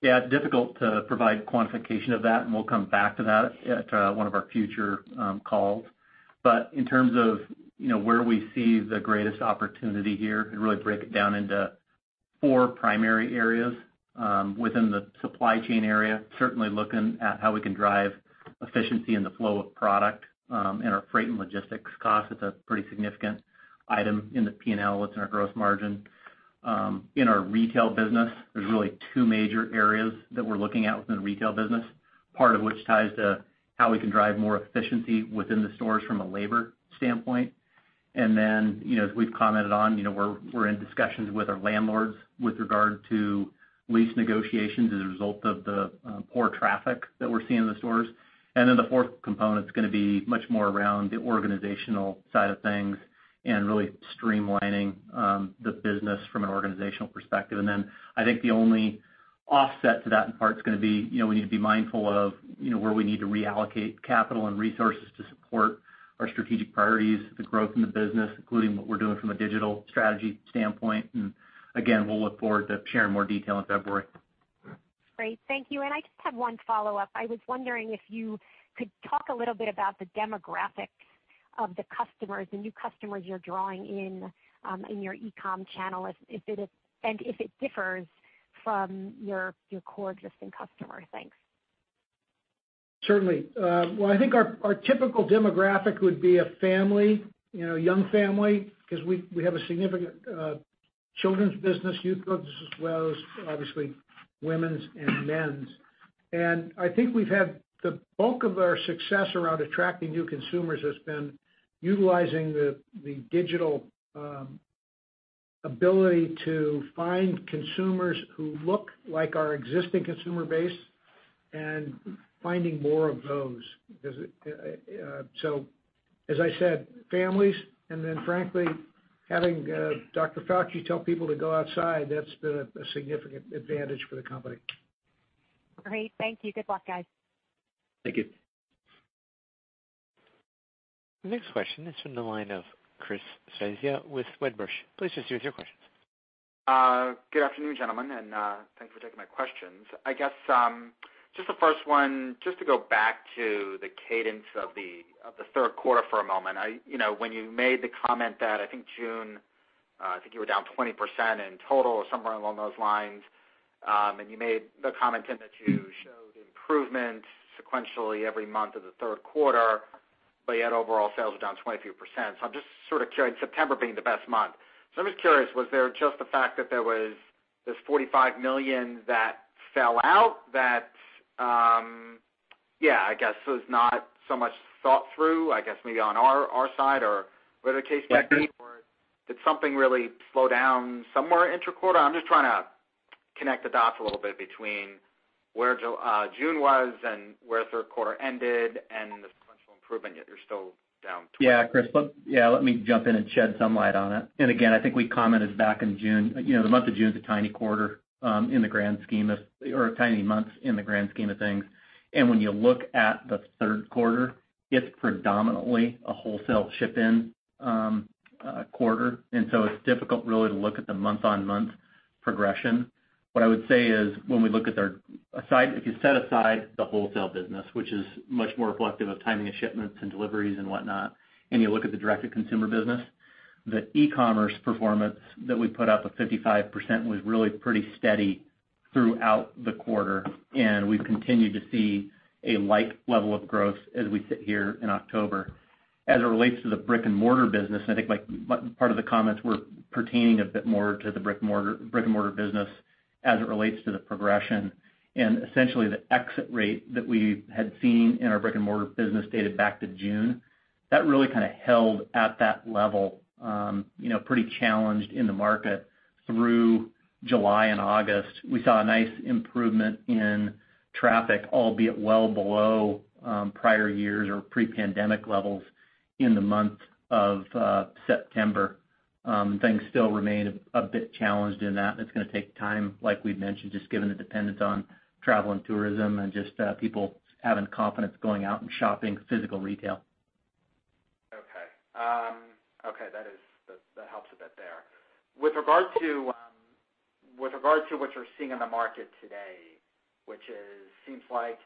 Thanks. Yeah. It's difficult to provide quantification of that, and we'll come back to that at one of our future calls. In terms of where we see the greatest opportunity here, we really break it down into four primary areas. Within the supply chain area, certainly looking at how we can drive efficiency in the flow of product, and our freight and logistics costs. It's a pretty significant item in the P&L. What's in our gross margin? In our retail business, there's really two major areas that we're looking at within the retail business, part of which ties to how we can drive more efficiency within the stores from a labor standpoint. As we've commented on, we're in discussions with our landlords with regard to lease negotiations as a result of the poor traffic that we're seeing in the stores. The fourth component's gonna be much more around the organizational side of things and really streamlining the business from an organizational perspective. I think the only offset to that, in part, is gonna be, we need to be mindful of where we need to reallocate capital and resources to support our strategic priorities, the growth in the business, including what we're doing from a digital strategy standpoint. Again, we'll look forward to sharing more detail in February. Great. Thank you. I just have one follow-up. I was wondering if you could talk a little bit about the demographics of the customers, the new customers you're drawing in your e-com channel, and if it differs from your core existing customer. Thanks. Certainly. Well, I think our typical demographic would be a family, a young family, because we have a significant children's business, youth goods, as well as obviously women's and men's. I think we've had the bulk of our success around attracting new consumers has been utilizing the digital ability to find consumers who look like our existing consumer base and finding more of those. As I said, families, and then frankly, having Dr. Fauci tell people to go outside, that's been a significant advantage for the company. Great. Thank you. Good luck, guys. Thank you. The next question is from the line of Chris Svezia with Wedbush. Please proceed with your questions. Good afternoon, gentlemen, and thanks for taking my questions. I guess, just the first one, just to go back to the cadence of the third quarter for a moment. When you made the comment that, I think June, I think you were down 20% in total or somewhere along those lines, and you made the comment then that you showed improvement sequentially every month of the third quarter, but yet overall sales were down 23%. I'm just sort of curious, September being the best month. I'm just curious, was there just the fact that there was this $45 million that fell out that, I guess was not so much thought through, I guess maybe on our side or whatever the case may be? Did something really slow down somewhere inter-quarter? I'm just trying to connect the dots a little bit between where June was and where third quarter ended and the sequential improvement, yet you're still down 20%. Yeah, Chris. Let me jump in and shed some light on it. Again, I think we commented back in June. The month of June's a tiny month in the grand scheme of things. When you look at the third quarter, it's predominantly a wholesale ship-in quarter. It's difficult really to look at the month-on-month progression. What I would say is, if you set aside the wholesale business, which is much more reflective of timing of shipments and deliveries and whatnot, and you look at the direct-to-consumer business, the e-commerce performance that we put up of 55% was really pretty steady throughout the quarter, and we've continued to see a light level of growth as we sit here in October. As it relates to the brick and mortar business, and I think part of the comments were pertaining a bit more to the brick and mortar business as it relates to the progression, and essentially the exit rate that we had seen in our brick and mortar business dated back to June. That really kind of held at that level, pretty challenged in the market through July and August. We saw a nice improvement in traffic, albeit well below prior years or pre-pandemic levels in the month of September. Things still remain a bit challenged in that, and it's gonna take time, like we've mentioned, just given the dependence on travel and tourism and just people having confidence going out and shopping physical retail. Okay. That helps a bit there. With regard to what you're seeing in the market today, which seems like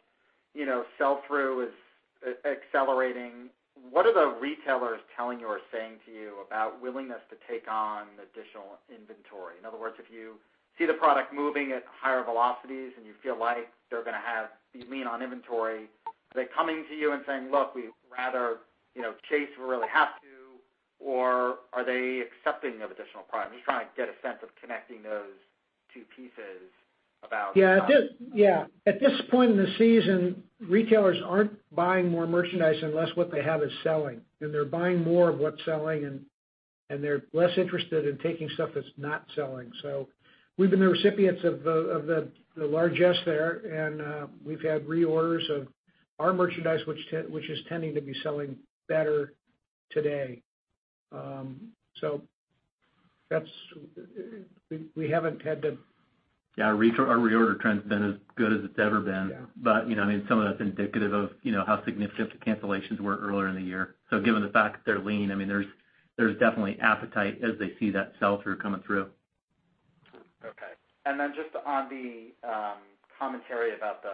sell-through is accelerating, what are the retailers telling you or saying to you about willingness to take on additional inventory? In other words, if you see the product moving at higher velocities and you feel like they're gonna have the lean on inventory, are they coming to you and saying, "Look, we'd rather chase if we really have to, or are they accepting of additional product? I'm just trying to get a sense of connecting those two pieces. Yeah. At this point in the season, retailers aren't buying more merchandise unless what they have is selling. They're buying more of what's selling and they're less interested in taking stuff that's not selling. We've been the recipients of the largest there, and we've had reorders of our merchandise, which is tending to be selling better today. We haven't had to Yeah, our reorder trend's been as good as it's ever been. I mean, some of that's indicative of how significant the cancellations were earlier in the year. Given the fact that they're lean, there's definitely appetite as they see that sell-through coming through. Okay. Just on the commentary about the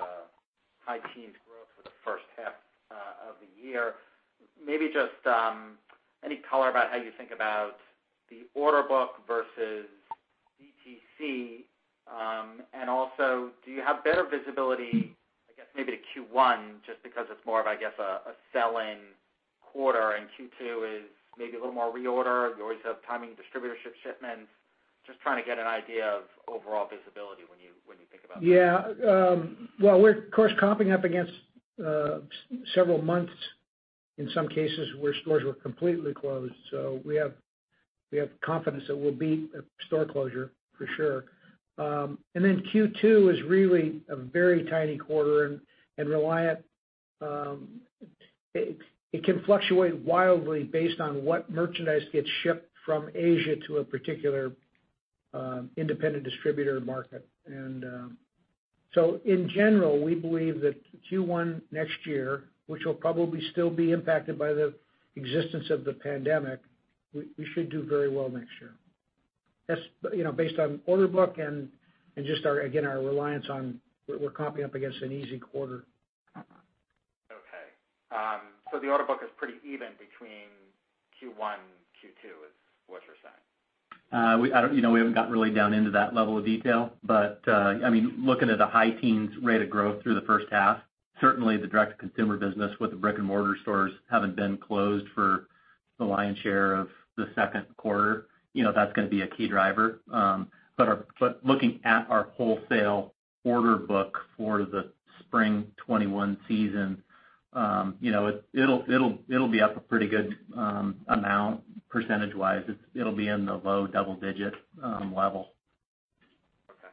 high teens growth for the first half of the year, maybe just any color about how you think about the order book versus DTC. Also, do you have better visibility, I guess, maybe to Q1, just because it's more of, I guess, a sell-in quarter and Q2 is maybe a little more reorder. You always have timing distributorship shipments. Just trying to get an idea of overall visibility when you think about that. Well, we're of course, comping up against several months, in some cases, where stores were completely closed. We have confidence that we'll beat store closure for sure. Q2 is really a very tiny quarter, and Reliant, it can fluctuate wildly based on what merchandise gets shipped from Asia to a particular independent distributor market. In general, we believe that Q1 next year, which will probably still be impacted by the existence of the pandemic, we should do very well next year. That's based on order book and just, again, our reliance on we're comping up against an easy quarter. Okay. The order book is pretty even between Q1, Q2 is what you're saying? We haven't gotten really down into that level of detail, looking at a high teens rate of growth through the first half, certainly the direct-to-consumer business with the brick-and-mortar stores having been closed for the lion's share of the second quarter, that's going to be a key driver. Looking at our wholesale order book for the spring 2021 season, it'll be up a pretty good amount percentage-wise. It'll be in the low double-digit level. Okay.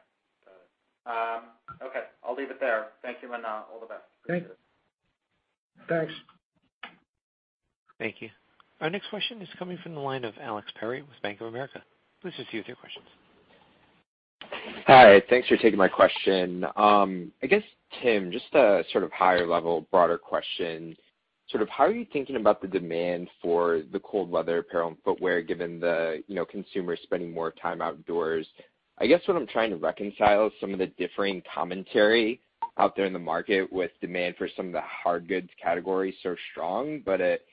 Got it. Okay, I'll leave it there. Thank you, Manaar. All the best. Great. Thanks. Thank you. Our next question is coming from the line of Alex Perry with Bank of America. Please proceed with your questions. Hi. Thanks for taking my question. I guess, Tim, just a sort of higher level, broader question. Sort of how are you thinking about the demand for the cold weather apparel and footwear given the consumer spending more time outdoors? I guess what I'm trying to reconcile is some of the differing commentary out there in the market with demand for some of the hard goods categories so strong. It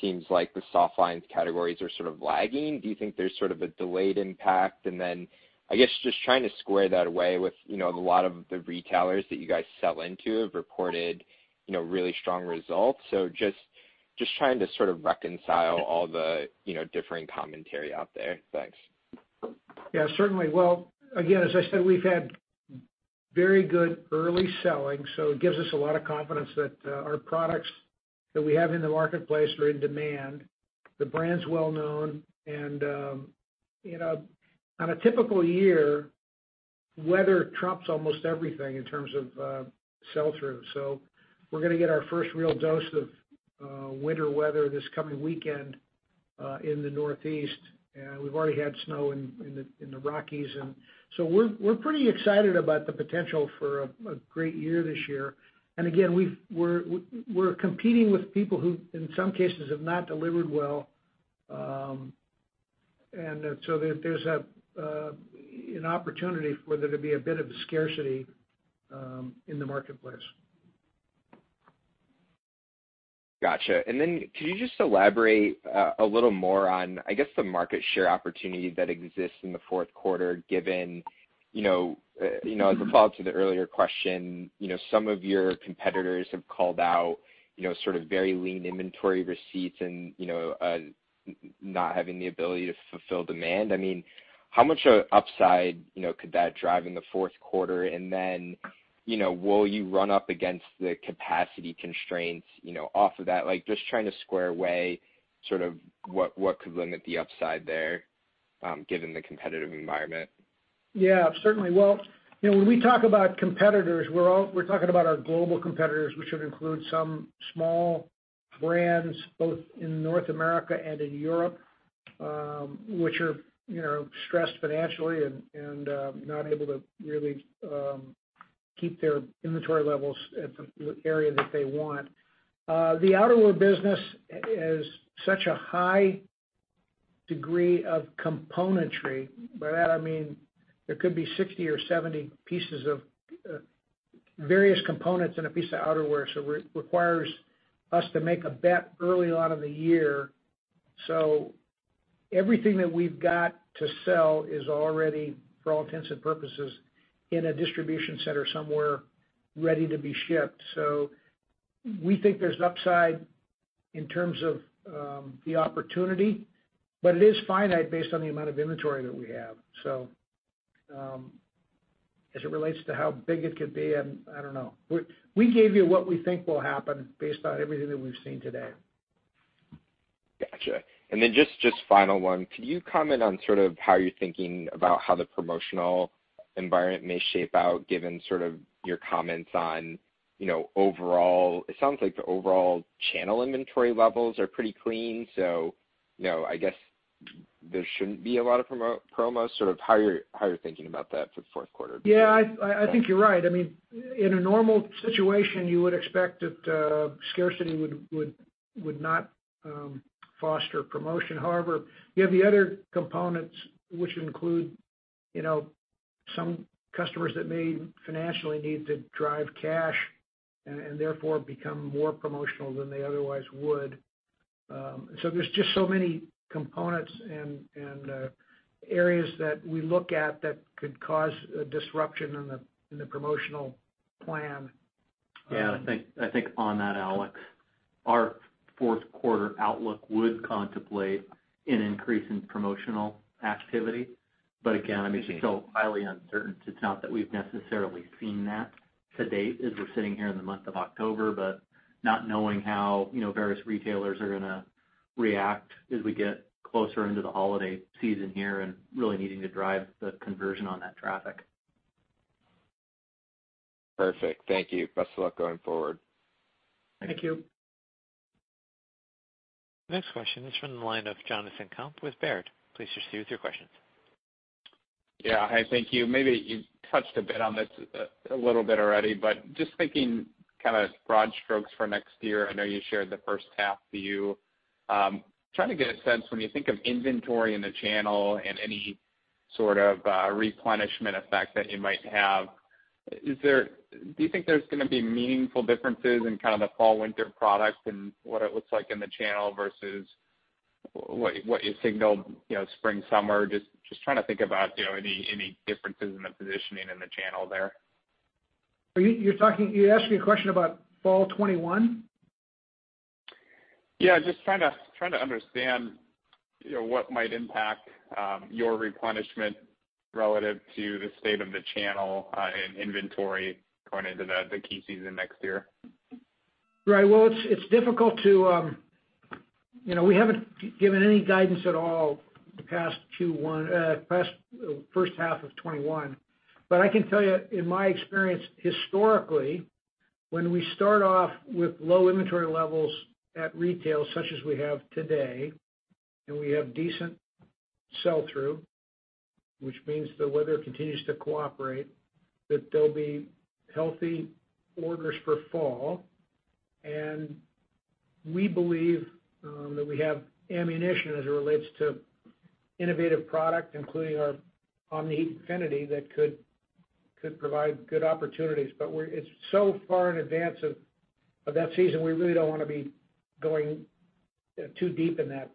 seems like the soft lines categories are sort of lagging. Do you think there's sort of a delayed impact? I guess, just trying to square that away with a lot of the retailers that you guys sell into have reported really strong results. Just trying to sort of reconcile all the differing commentary out there. Thanks. Yeah, certainly. Well, again, as I said, we've had very good early selling, so it gives us a lot of confidence that our products that we have in the marketplace are in demand. The brand's well-known and on a typical year, weather trumps almost everything in terms of sell-through. We're going to get our first real dose of winter weather this coming weekend in the Northeast. We've already had snow in the Rockies, and so we're pretty excited about the potential for a great year this year. Again, we're competing with people who, in some cases, have not delivered well. There's an opportunity for there to be a bit of a scarcity in the marketplace. Got you. Then could you just elaborate a little more on, I guess, the market share opportunity that exists in the fourth quarter, given, as a follow-up to the earlier question, some of your competitors have called out sort of very lean inventory receipts and not having the ability to fulfill demand. How much upside could that drive in the fourth quarter? Then, will you run up against the capacity constraints off of that? Just trying to square away sort of what could limit the upside there given the competitive environment. Certainly. Well, when we talk about competitors, we're talking about our global competitors, which would include some small brands both in North America and in Europe, which are stressed financially and not able to really keep their inventory levels at the area that they want. The outerwear business is such a high degree of componentry. By that I mean there could be 60 or 70 pieces of various components in a piece of outerwear. It requires us to make a bet early on in the year. Everything that we've got to sell is already, for all intents and purposes, in a distribution center somewhere ready to be shipped. We think there's upside in terms of the opportunity, but it is finite based on the amount of inventory that we have. As it relates to how big it could be, I don't know. We gave you what we think will happen based on everything that we've seen today. Got you. Just final one, could you comment on sort of how you're thinking about how the promotional environment may shape out given sort of your comments on overall It sounds like the overall channel inventory levels are pretty clean, so I guess there shouldn't be a lot of promos, sort of how you're thinking about that for the fourth quarter? Yeah, I think you're right. In a normal situation, you would expect that scarcity would not foster promotion. However, you have the other components, which include some customers that may financially need to drive cash, and therefore become more promotional than they otherwise would. There's just so many components and areas that we look at that could cause a disruption in the promotional plan. Yeah, I think on that, Alex, our fourth quarter outlook would contemplate an increase in promotional activity. Again, it's still highly uncertain. It's not that we've necessarily seen that to date as we're sitting here in the month of October, but not knowing how various retailers are going to react as we get closer into the holiday season here and really needing to drive the conversion on that traffic. Perfect. Thank you. Best of luck going forward. Thank you. Next question is from the line of Jonathan Komp with Baird. Please proceed with your questions. Yeah. Hi, thank you. Maybe you touched a bit on this a little bit already, but just thinking kind of broad strokes for next year. I know you shared the first half view. Trying to get a sense, when you think of inventory in the channel and any sort of replenishment effect that you might have, do you think there is going to be meaningful differences in kind of the fall/winter product and what it looks like in the channel versus what you signaled spring/summer? Just trying to think about any differences in the positioning in the channel there. You're asking a question about fall 2021? Yeah, just trying to understand what might impact your replenishment relative to the state of the channel and inventory going into the key season next year. Right. Well, we haven't given any guidance at all the past first half of 2021. I can tell you, in my experience historically, when we start off with low inventory levels at retail such as we have today, and we have decent sell-through, which means the weather continues to cooperate, that there'll be healthy orders for fall. We believe that we have ammunition as it relates to innovative product, including our Omni-Heat Infinity, that could provide good opportunities. It's so far in advance of that season, we really don't want to be going too deep in that.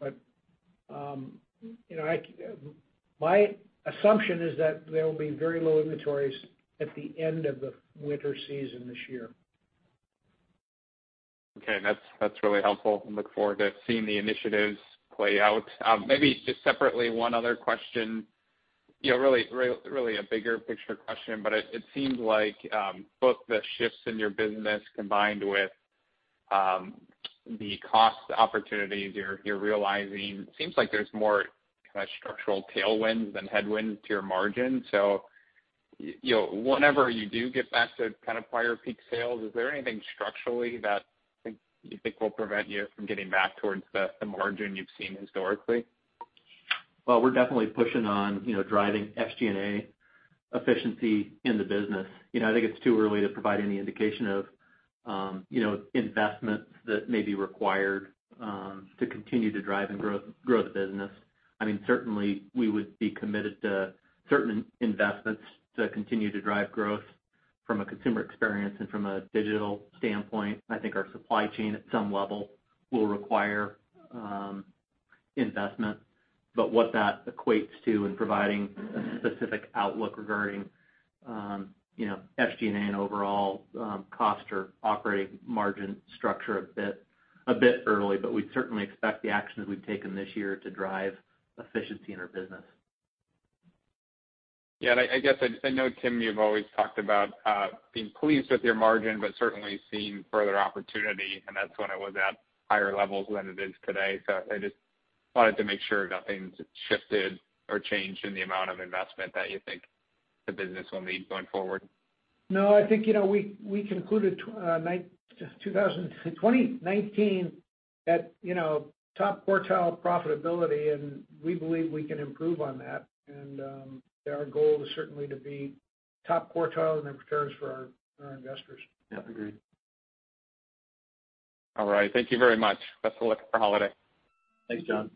My assumption is that there will be very low inventories at the end of the winter season this year. Okay. That's really helpful. Look forward to seeing the initiatives play out. Maybe just separately, one other question. Really a bigger picture question. It seems like both the shifts in your business combined with the cost opportunities you're realizing, seems like there's more kind of structural tailwind than headwind to your margin. Whenever you do get back to kind of prior peak sales, is there anything structurally that you think will prevent you from getting back towards the margin you've seen historically? We're definitely pushing on driving SG&A efficiency in the business. I think it's too early to provide any indication of investments that may be required to continue to drive and grow the business. Certainly, we would be committed to certain investments to continue to drive growth from a consumer experience and from a digital standpoint. I think our supply chain at some level will require investment. What that equates to in providing a specific outlook regarding SG&A and overall cost or operating margin structure a bit early. We certainly expect the actions we've taken this year to drive efficiency in our business. Yeah. I guess I know, Tim, you've always talked about being pleased with your margin, but certainly seeing further opportunity, and that's when it was at higher levels than it is today. I just wanted to make sure nothing's shifted or changed in the amount of investment that you think the business will need going forward. I think we concluded 2019 at top quartile profitability, and we believe we can improve on that. Our goal is certainly to be top quartile in the returns for our investors. Yep, agreed. All right. Thank you very much. Best of luck for holiday. Thanks, John.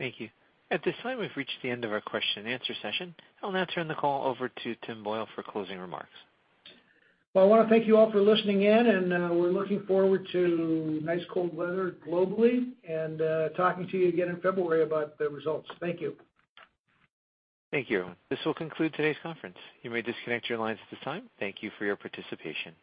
Thank you. At this time, we've reached the end of our question and answer session. I'll now turn the call over to Tim Boyle for closing remarks. Well, I want to thank you all for listening in. We're looking forward to nice cold weather globally and talking to you again in February about the results. Thank you. Thank you. This will conclude today's conference. You may disconnect your lines at this time. Thank you for your participation.